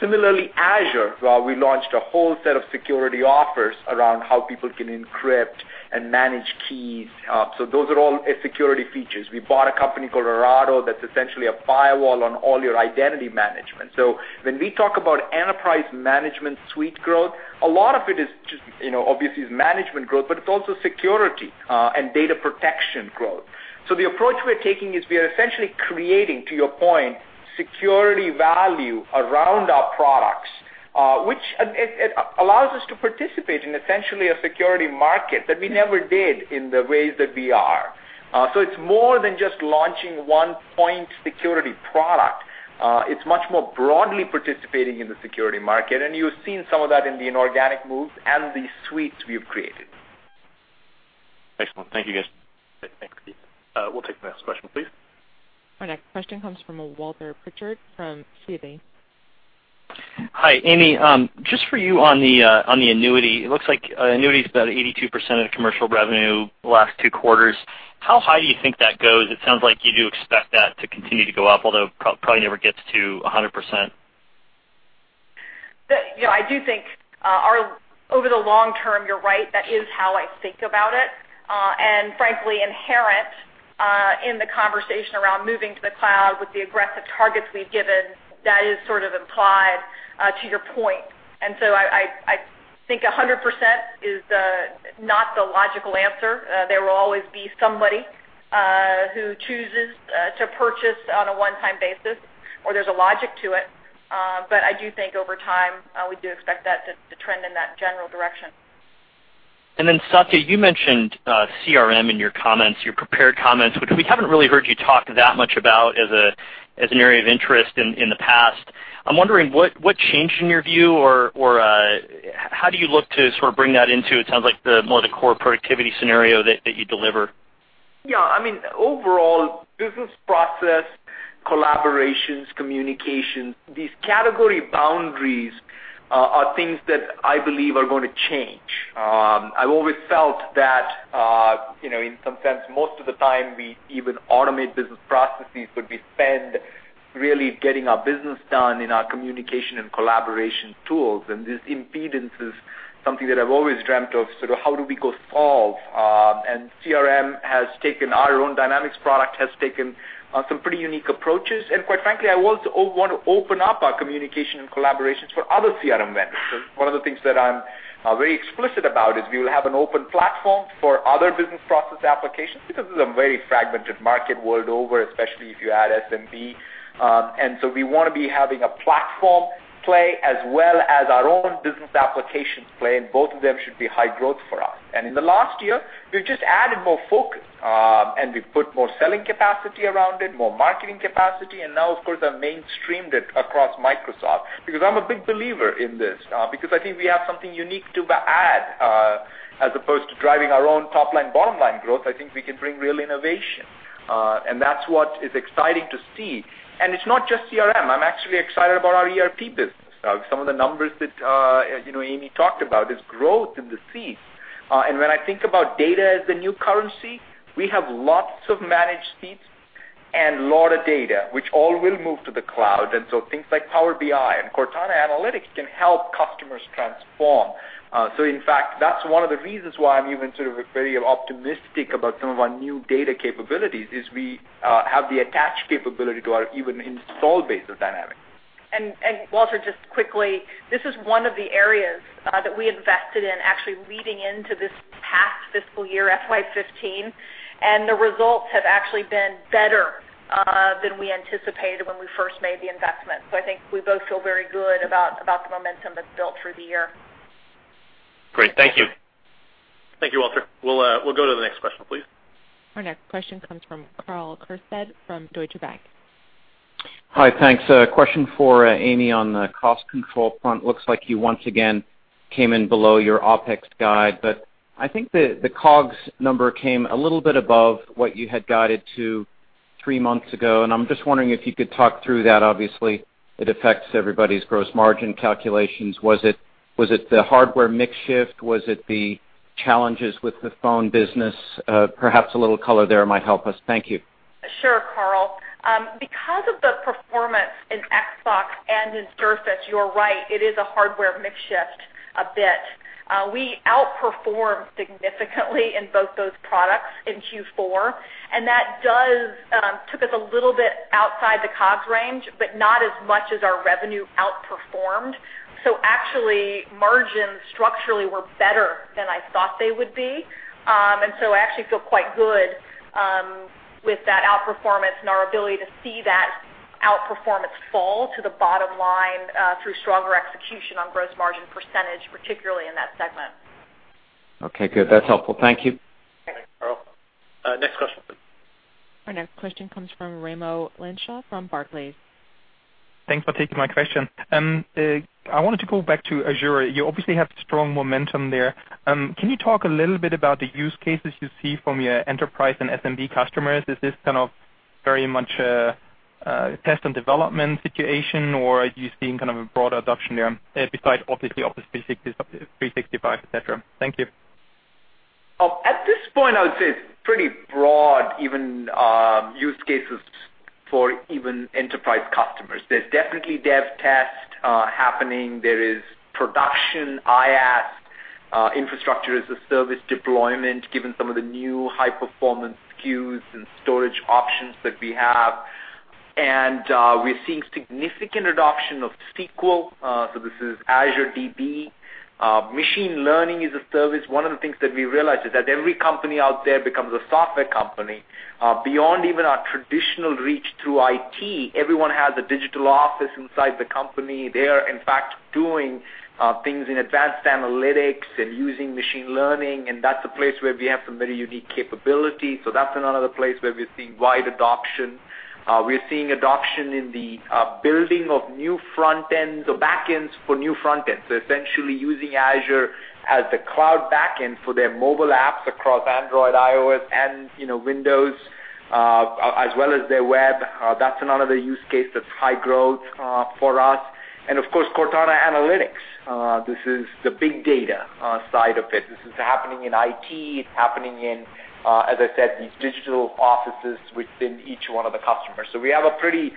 Similarly, Azure, we launched a whole set of security offers around how people can encrypt and manage keys. Those are all security features. We bought a company called Adallom, that's essentially a firewall on all your identity management. When we talk about Enterprise Mobility Suite growth, a lot of it obviously is management growth, but it's also security and data protection growth. The approach we're taking is we are essentially creating, to your point, security value around our products, which allows us to participate in essentially a security market that we never did in the ways that we are. It's more than just launching one point security product. It's much more broadly participating in the security market, and you've seen some of that in the inorganic moves and the suites we've created.
Excellent. Thank you, guys.
Thanks, Keith. We'll take the next question, please.
Our next question comes from Walter Pritchard from Citi.
Hi, Amy. Just for you on the annuity, it looks like annuity is about 82% of commercial revenue the last two quarters. How high do you think that goes? It sounds like you do expect that to continue to go up, although probably never gets to 100%.
I do think over the long term, you're right, that is how I think about it. Frankly, inherent in the conversation around moving to the cloud with the aggressive targets we've given, that is sort of implied to your point. I think 100% is not the logical answer. There will always be somebody who chooses to purchase on a one-time basis, or there's a logic to it. I do think over time, we do expect that to trend in that general direction.
Satya, you mentioned CRM in your comments, your prepared comments, which we haven't really heard you talk that much about as an area of interest in the past. I'm wondering what changed in your view, or how do you look to sort of bring that into, it sounds like more the core productivity scenario that you deliver?
Overall, business process, collaborations, communications, these category boundaries are things that I believe are going to change. I've always felt that, in some sense, most of the time, we even automate business processes, but we spend really getting our business done in our communication and collaboration tools. This impedance is something that I've always dreamt of sort of how do we go solve. CRM has taken our own Dynamics product, has taken some pretty unique approaches. Quite frankly, I want to open up our communication and collaborations for other CRM vendors. One of the things that I'm very explicit about is we will have an open platform for other business process applications, because this is a very fragmented market world over, especially if you add SMB. We want to be having a platform play as well as our own business applications play, and both of them should be high growth for us. In the last year, we've just added more focus, and we've put more selling capacity around it, more marketing capacity. Now, of course, I've mainstreamed it across Microsoft, because I'm a big believer in this. I think we have something unique to add, as opposed to driving our own top-line, bottom-line growth. I think we can bring real innovation. That's what is exciting to see. It's not just CRM. I'm actually excited about our ERP business. Some of the numbers that Amy talked about is growth in the seats. When I think about data as the new currency, we have lots of managed seats and lot of data, which all will move to the cloud. Things like Power BI and Cortana Analytics can help customers transform. In fact, that's one of the reasons why I'm even sort of very optimistic about some of our new data capabilities, is we have the attach capability to our even install base of Dynamics.
Walter, just quickly, this is one of the areas that we invested in actually leading into this past fiscal year, FY 2015, the results have actually been better than we anticipated when we first made the investment. I think we both feel very good about the momentum that's built through the year.
Great. Thank you.
Thank you, Walter. We'll go to the next question, please.
Our next question comes from Karl Keirstead from Deutsche Bank.
Hi, thanks. A question for Amy on the cost control front. Looks like you once again came in below your OpEx guide. I think the COGS number came a little bit above what you had guided to three months ago, and I'm just wondering if you could talk through that. Obviously, it affects everybody's gross margin calculations. Was it the hardware mix shift? Was it the challenges with the phone business? Perhaps a little color there might help us. Thank you.
Sure, Karl. Because of the performance in Xbox and in Surface, you're right, it is a hardware mix shift a bit. We outperformed significantly in both those products in Q4. That took us a little bit outside the COGS range, but not as much as our revenue outperformed. Actually, margins structurally were better than I thought they would be. I actually feel quite good with that outperformance and our ability to see that outperformance fall to the bottom line through stronger execution on gross margin percentage, particularly in that segment.
Okay, good. That's helpful. Thank you.
Thanks, Karl. Next question.
Our next question comes from Raimo Lenschow from Barclays.
Thanks for taking my question. I wanted to go back to Azure. You obviously have strong momentum there. Can you talk a little bit about the use cases you see from your enterprise and SMB customers? Is this kind of very much a test and development situation, or are you seeing kind of a broad adoption there besides obviously Office 365, et cetera? Thank you.
At this point, I would say it's pretty broad, even use cases for even enterprise customers. There's definitely dev test happening. There is production IaaS, infrastructure as a service deployment, given some of the new high-performance SKUs and storage options that we have. We're seeing significant adoption of SQL, so this is Azure DB. Machine learning is a service. One of the things that we realized is that every company out there becomes a software company. Beyond even our traditional reach through IT, everyone has a digital office inside the company. They are, in fact, doing things in advanced analytics and using machine learning, and that's a place where we have some very unique capabilities. That's another place where we're seeing wide adoption. We're seeing adoption in the building of new front ends or back ends for new front ends. Essentially using Azure as the cloud back end for their mobile apps across Android, iOS, and Windows, as well as their web. That's another use case that's high growth for us. Of course, Cortana Analytics. This is the big data side of it. This is happening in IT. It's happening in, as I said, these digital offices within each one of the customers. We have a pretty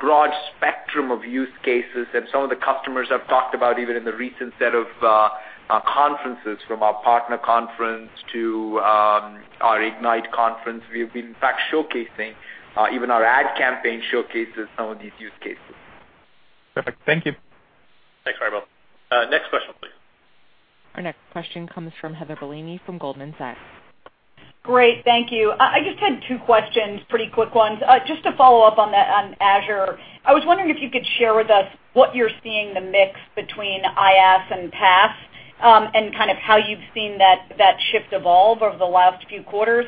broad spectrum of use cases, and some of the customers I've talked about, even in the recent set of conferences, from our partner conference to our Ignite conference, we've been, in fact, showcasing. Even our ad campaign showcases some of these use cases.
Perfect. Thank you.
Thanks, Raimo. Next question, please.
Our next question comes from Heather Bellini from Goldman Sachs.
Great. Thank you. I just had two questions, pretty quick ones. Just to follow up on Azure, I was wondering if you could share with us what you're seeing the mix between IaaS and PaaS, and how you've seen that shift evolve over the last few quarters.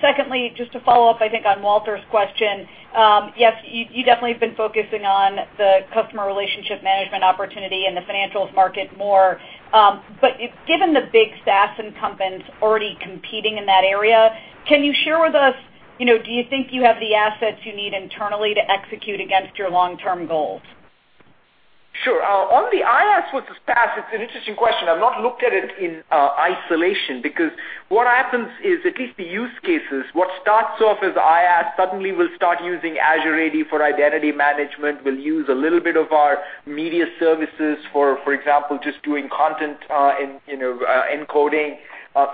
Secondly, just to follow up, I think, on Walter's question, yes, you definitely have been focusing on the customer relationship management opportunity and the financials market more. Given the big SaaS incumbents already competing in that area, can you share with us, do you think you have the assets you need internally to execute against your long-term goals?
Sure. On the IaaS versus PaaS, it's an interesting question. I've not looked at it in isolation because what happens is, at least the use cases, what starts off as IaaS suddenly will start using Azure AD for identity management, will use a little bit of our media services, for example, just doing content encoding.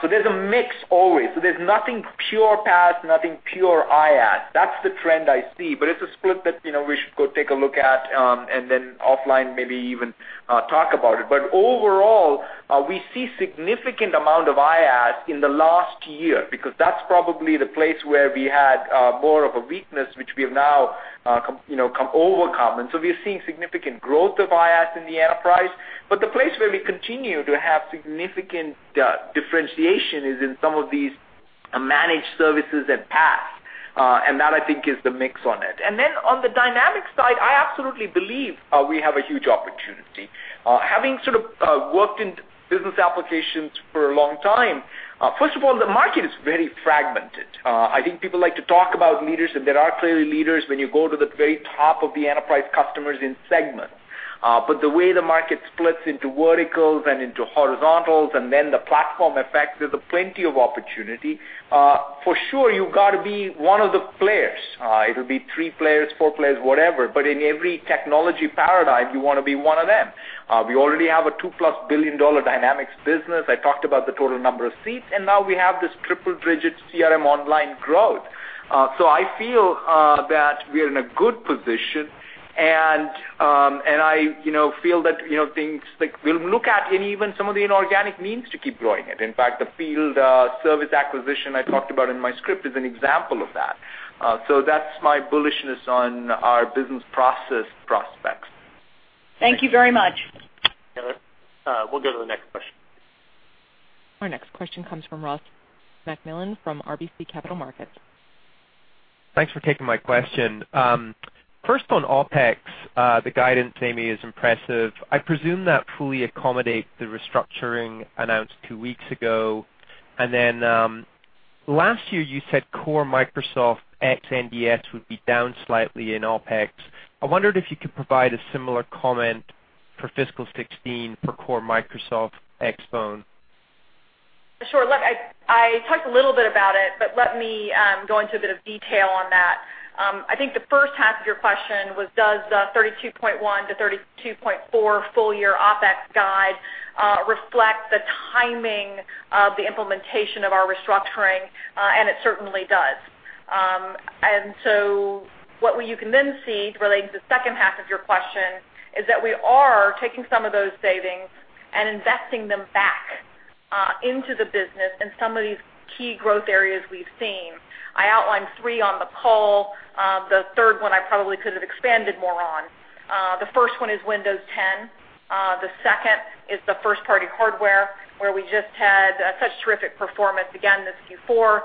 There's a mix always. There's nothing pure PaaS, nothing pure IaaS. That's the trend I see, but it's a split that we should go take a look at and then offline maybe even talk about it. Overall, we see significant amount of IaaS in the last year, because that's probably the place where we had more of a weakness, which we have now overcome. We are seeing significant growth of IaaS in the enterprise. The place where we continue to have significant differentiation is in some of these managed services and PaaS. That, I think, is the mix on it. On the Dynamics side, I absolutely believe we have a huge opportunity. Having sort of worked in business applications for a long time, first of all, the market is very fragmented. I think people like to talk about leaders, and there are clearly leaders when you go to the very top of the enterprise customers in segments. The way the market splits into verticals and into horizontals and then the platform effect, there's plenty of opportunity. For sure, you've got to be one of the players. It'll be three players, four players, whatever, but in every technology paradigm, you want to be one of them. We already have a two-plus billion dollar Dynamics business. I talked about the total number of seats, and now we have this triple-digit CRM Online growth. I feel that we are in a good position, and I feel that things like we'll look at even some of the inorganic means to keep growing it. In fact, the field service acquisition I talked about in my script is an example of that. That's my bullishness on our business process prospects.
Thank you very much.
We'll go to the next question. Our next question comes from Ross MacMillan from RBC Capital Markets.
Thanks for taking my question. First on OpEx, the guidance, Amy, is impressive. I presume that fully accommodates the restructuring announced two weeks ago. Last year, you said core Microsoft ex NDS would be down slightly in OpEx. I wondered if you could provide a similar comment for fiscal 2016 for core Microsoft ex Phone.
Sure. I talked a little bit about it, but let me go into a bit of detail on that. I think the first half of your question was, does the $32.1-$32.4 full year OpEx guide reflect the timing of the implementation of our restructuring, and it certainly does. What you can then see relating to the second half of your question is that we are taking some of those savings and investing them back into the business in some of these key growth areas we've seen. I outlined three on the call. The third one I probably could have expanded more on. The first one is Windows 10. The second is the first-party hardware, where we just had such terrific performance again this Q4.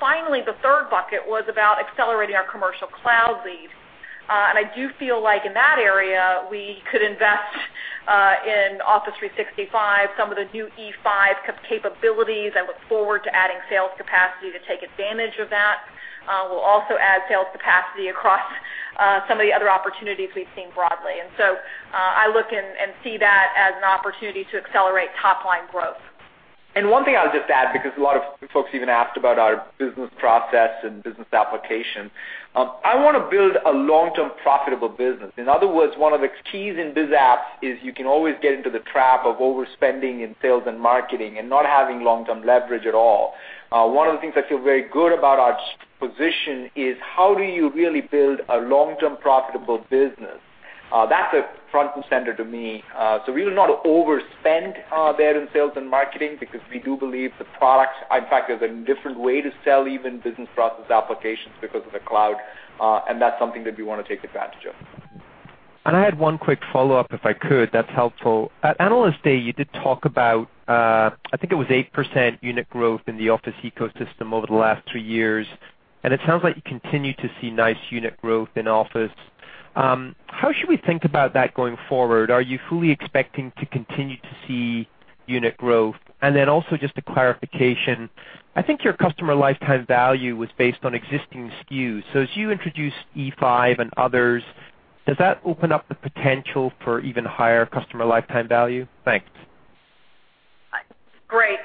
Finally, the third bucket was about accelerating our commercial cloud lead. I do feel like in that area, we could invest in Office 365, some of the new E5 capabilities. I look forward to adding sales capacity to take advantage of that. We'll also add sales capacity across some of the other opportunities we've seen broadly. I look and see that as an opportunity to accelerate top-line growth.
One thing I'll just add, because a lot of folks even asked about our business process and business application. I want to build a long-term profitable business. In other words, one of the keys in biz apps is you can always get into the trap of overspending in sales and marketing and not having long-term leverage at all. One of the things I feel very good about our position is how do you really build a long-term profitable business? That's front and center to me. We will not overspend there in sales and marketing because we do believe the products, in fact, there's a different way to sell even business process applications because of the cloud. That's something that we want to take advantage of.
I had one quick follow-up, if I could. That's helpful. At Analyst Day, you did talk about, I think it was 8% unit growth in the Office ecosystem over the last three years, and it sounds like you continue to see nice unit growth in Office. How should we think about that going forward? Are you fully expecting to continue to see unit growth? Also just a clarification, I think your customer lifetime value was based on existing SKUs. As you introduce E5 and others, does that open up the potential for even higher customer lifetime value? Thanks.
Great.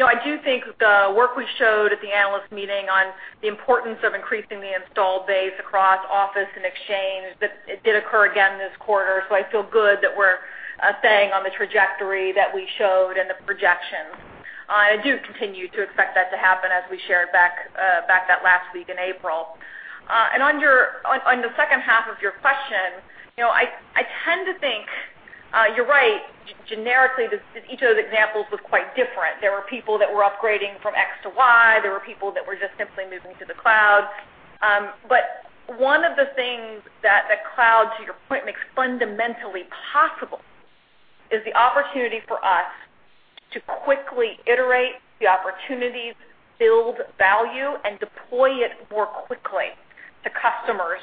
I do think the work we showed at the Analyst Meeting on the importance of increasing the installed base across Office and Exchange, it did occur again this quarter. I feel good that we're staying on the trajectory that we showed and the projections. I do continue to expect that to happen as we shared back that last week in April. On the second half of your question, I tend to think you're right. Generically, each of those examples was quite different. There were people that were upgrading from X to Y. There were people that were just simply moving to the cloud. One of the things that the cloud, to your point, makes fundamentally possible is the opportunity for us to quickly iterate the opportunities, build value, and deploy it more quickly to customers.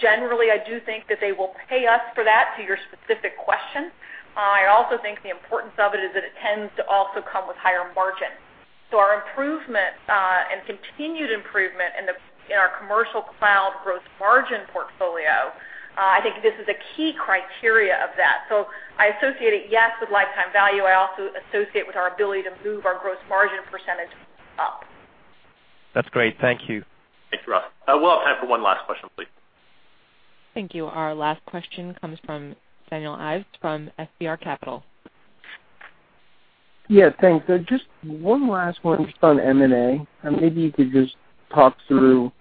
Generally, I do think that they will pay us for that, to your specific question. I also think the importance of it is that it tends to also come with higher margin. Our improvement, and continued improvement in our commercial cloud gross margin portfolio, I think this is a key criteria of that. I associate it, yes, with lifetime value. I also associate with our ability to move our gross margin percentage up.
That's great. Thank you.
Thanks, Ross. We'll have time for one last question, please.
Thank you. Our last question comes from Daniel Ives from FBR Capital.
Yeah, thanks. Just one last one just on M&A. Maybe you could just talk through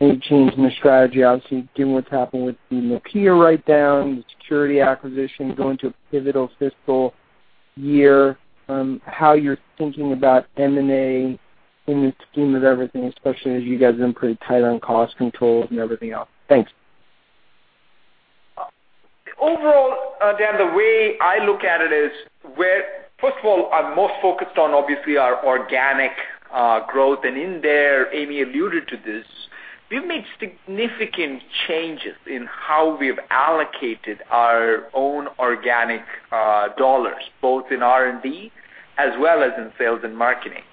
any change in the strategy, obviously, given what's happened with the Nokia write-down, the security acquisition, going into a pivotal fiscal year, how you're thinking about M&A in the scheme of everything, especially as you guys have been pretty tight on cost controls and everything else. Thanks.
Overall, Dan, the way I look at it is, first of all, I'm most focused on, obviously, our organic growth. In there, Amy alluded to this, we've made significant changes in how we've allocated our own organic dollars, both in R&D as well as in sales and marketing.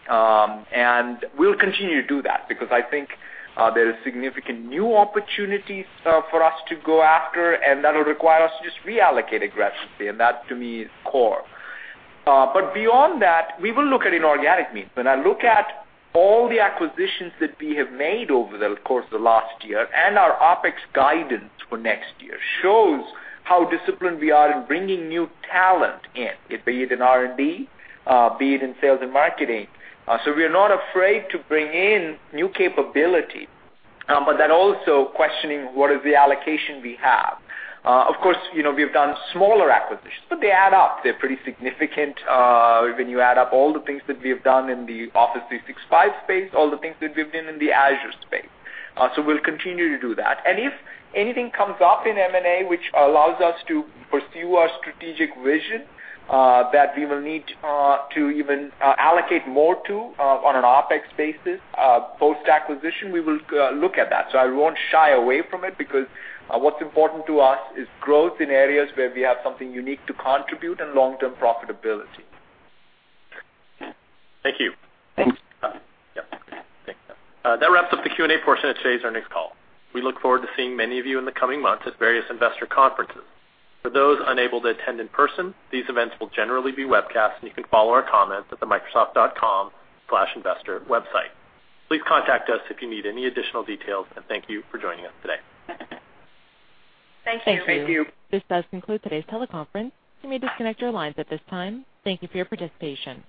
We'll continue to do that because I think there are significant new opportunities for us to go after. That'll require us to just reallocate aggressively. That, to me, is core. Beyond that, we will look at inorganic means. When I look at all the acquisitions that we have made over the course of the last year and our OpEx guidance for next year shows how disciplined we are in bringing new talent in, be it in R&D, be it in sales and marketing. We are not afraid to bring in new capability, also questioning what is the allocation we have. Of course, we've done smaller acquisitions. They add up. They're pretty significant, when you add up all the things that we have done in the Office 365 space, all the things that we've done in the Azure space. We'll continue to do that. If anything comes up in M&A which allows us to pursue our strategic vision that we will need to even allocate more to on an OpEx basis post-acquisition, we will look at that. I won't shy away from it because what's important to us is growth in areas where we have something unique to contribute and long-term profitability.
Thank you.
Thanks.
Yep. Thanks. That wraps up the Q&A portion of today's earnings call. We look forward to seeing many of you in the coming months at various investor conferences. For those unable to attend in person, these events will generally be webcast, and you can follow our comments at the microsoft.com/investor website. Please contact us if you need any additional details, and thank you for joining us today.
Thank you.
Thank you. This does conclude today's teleconference. You may disconnect your lines at this time. Thank you for your participation.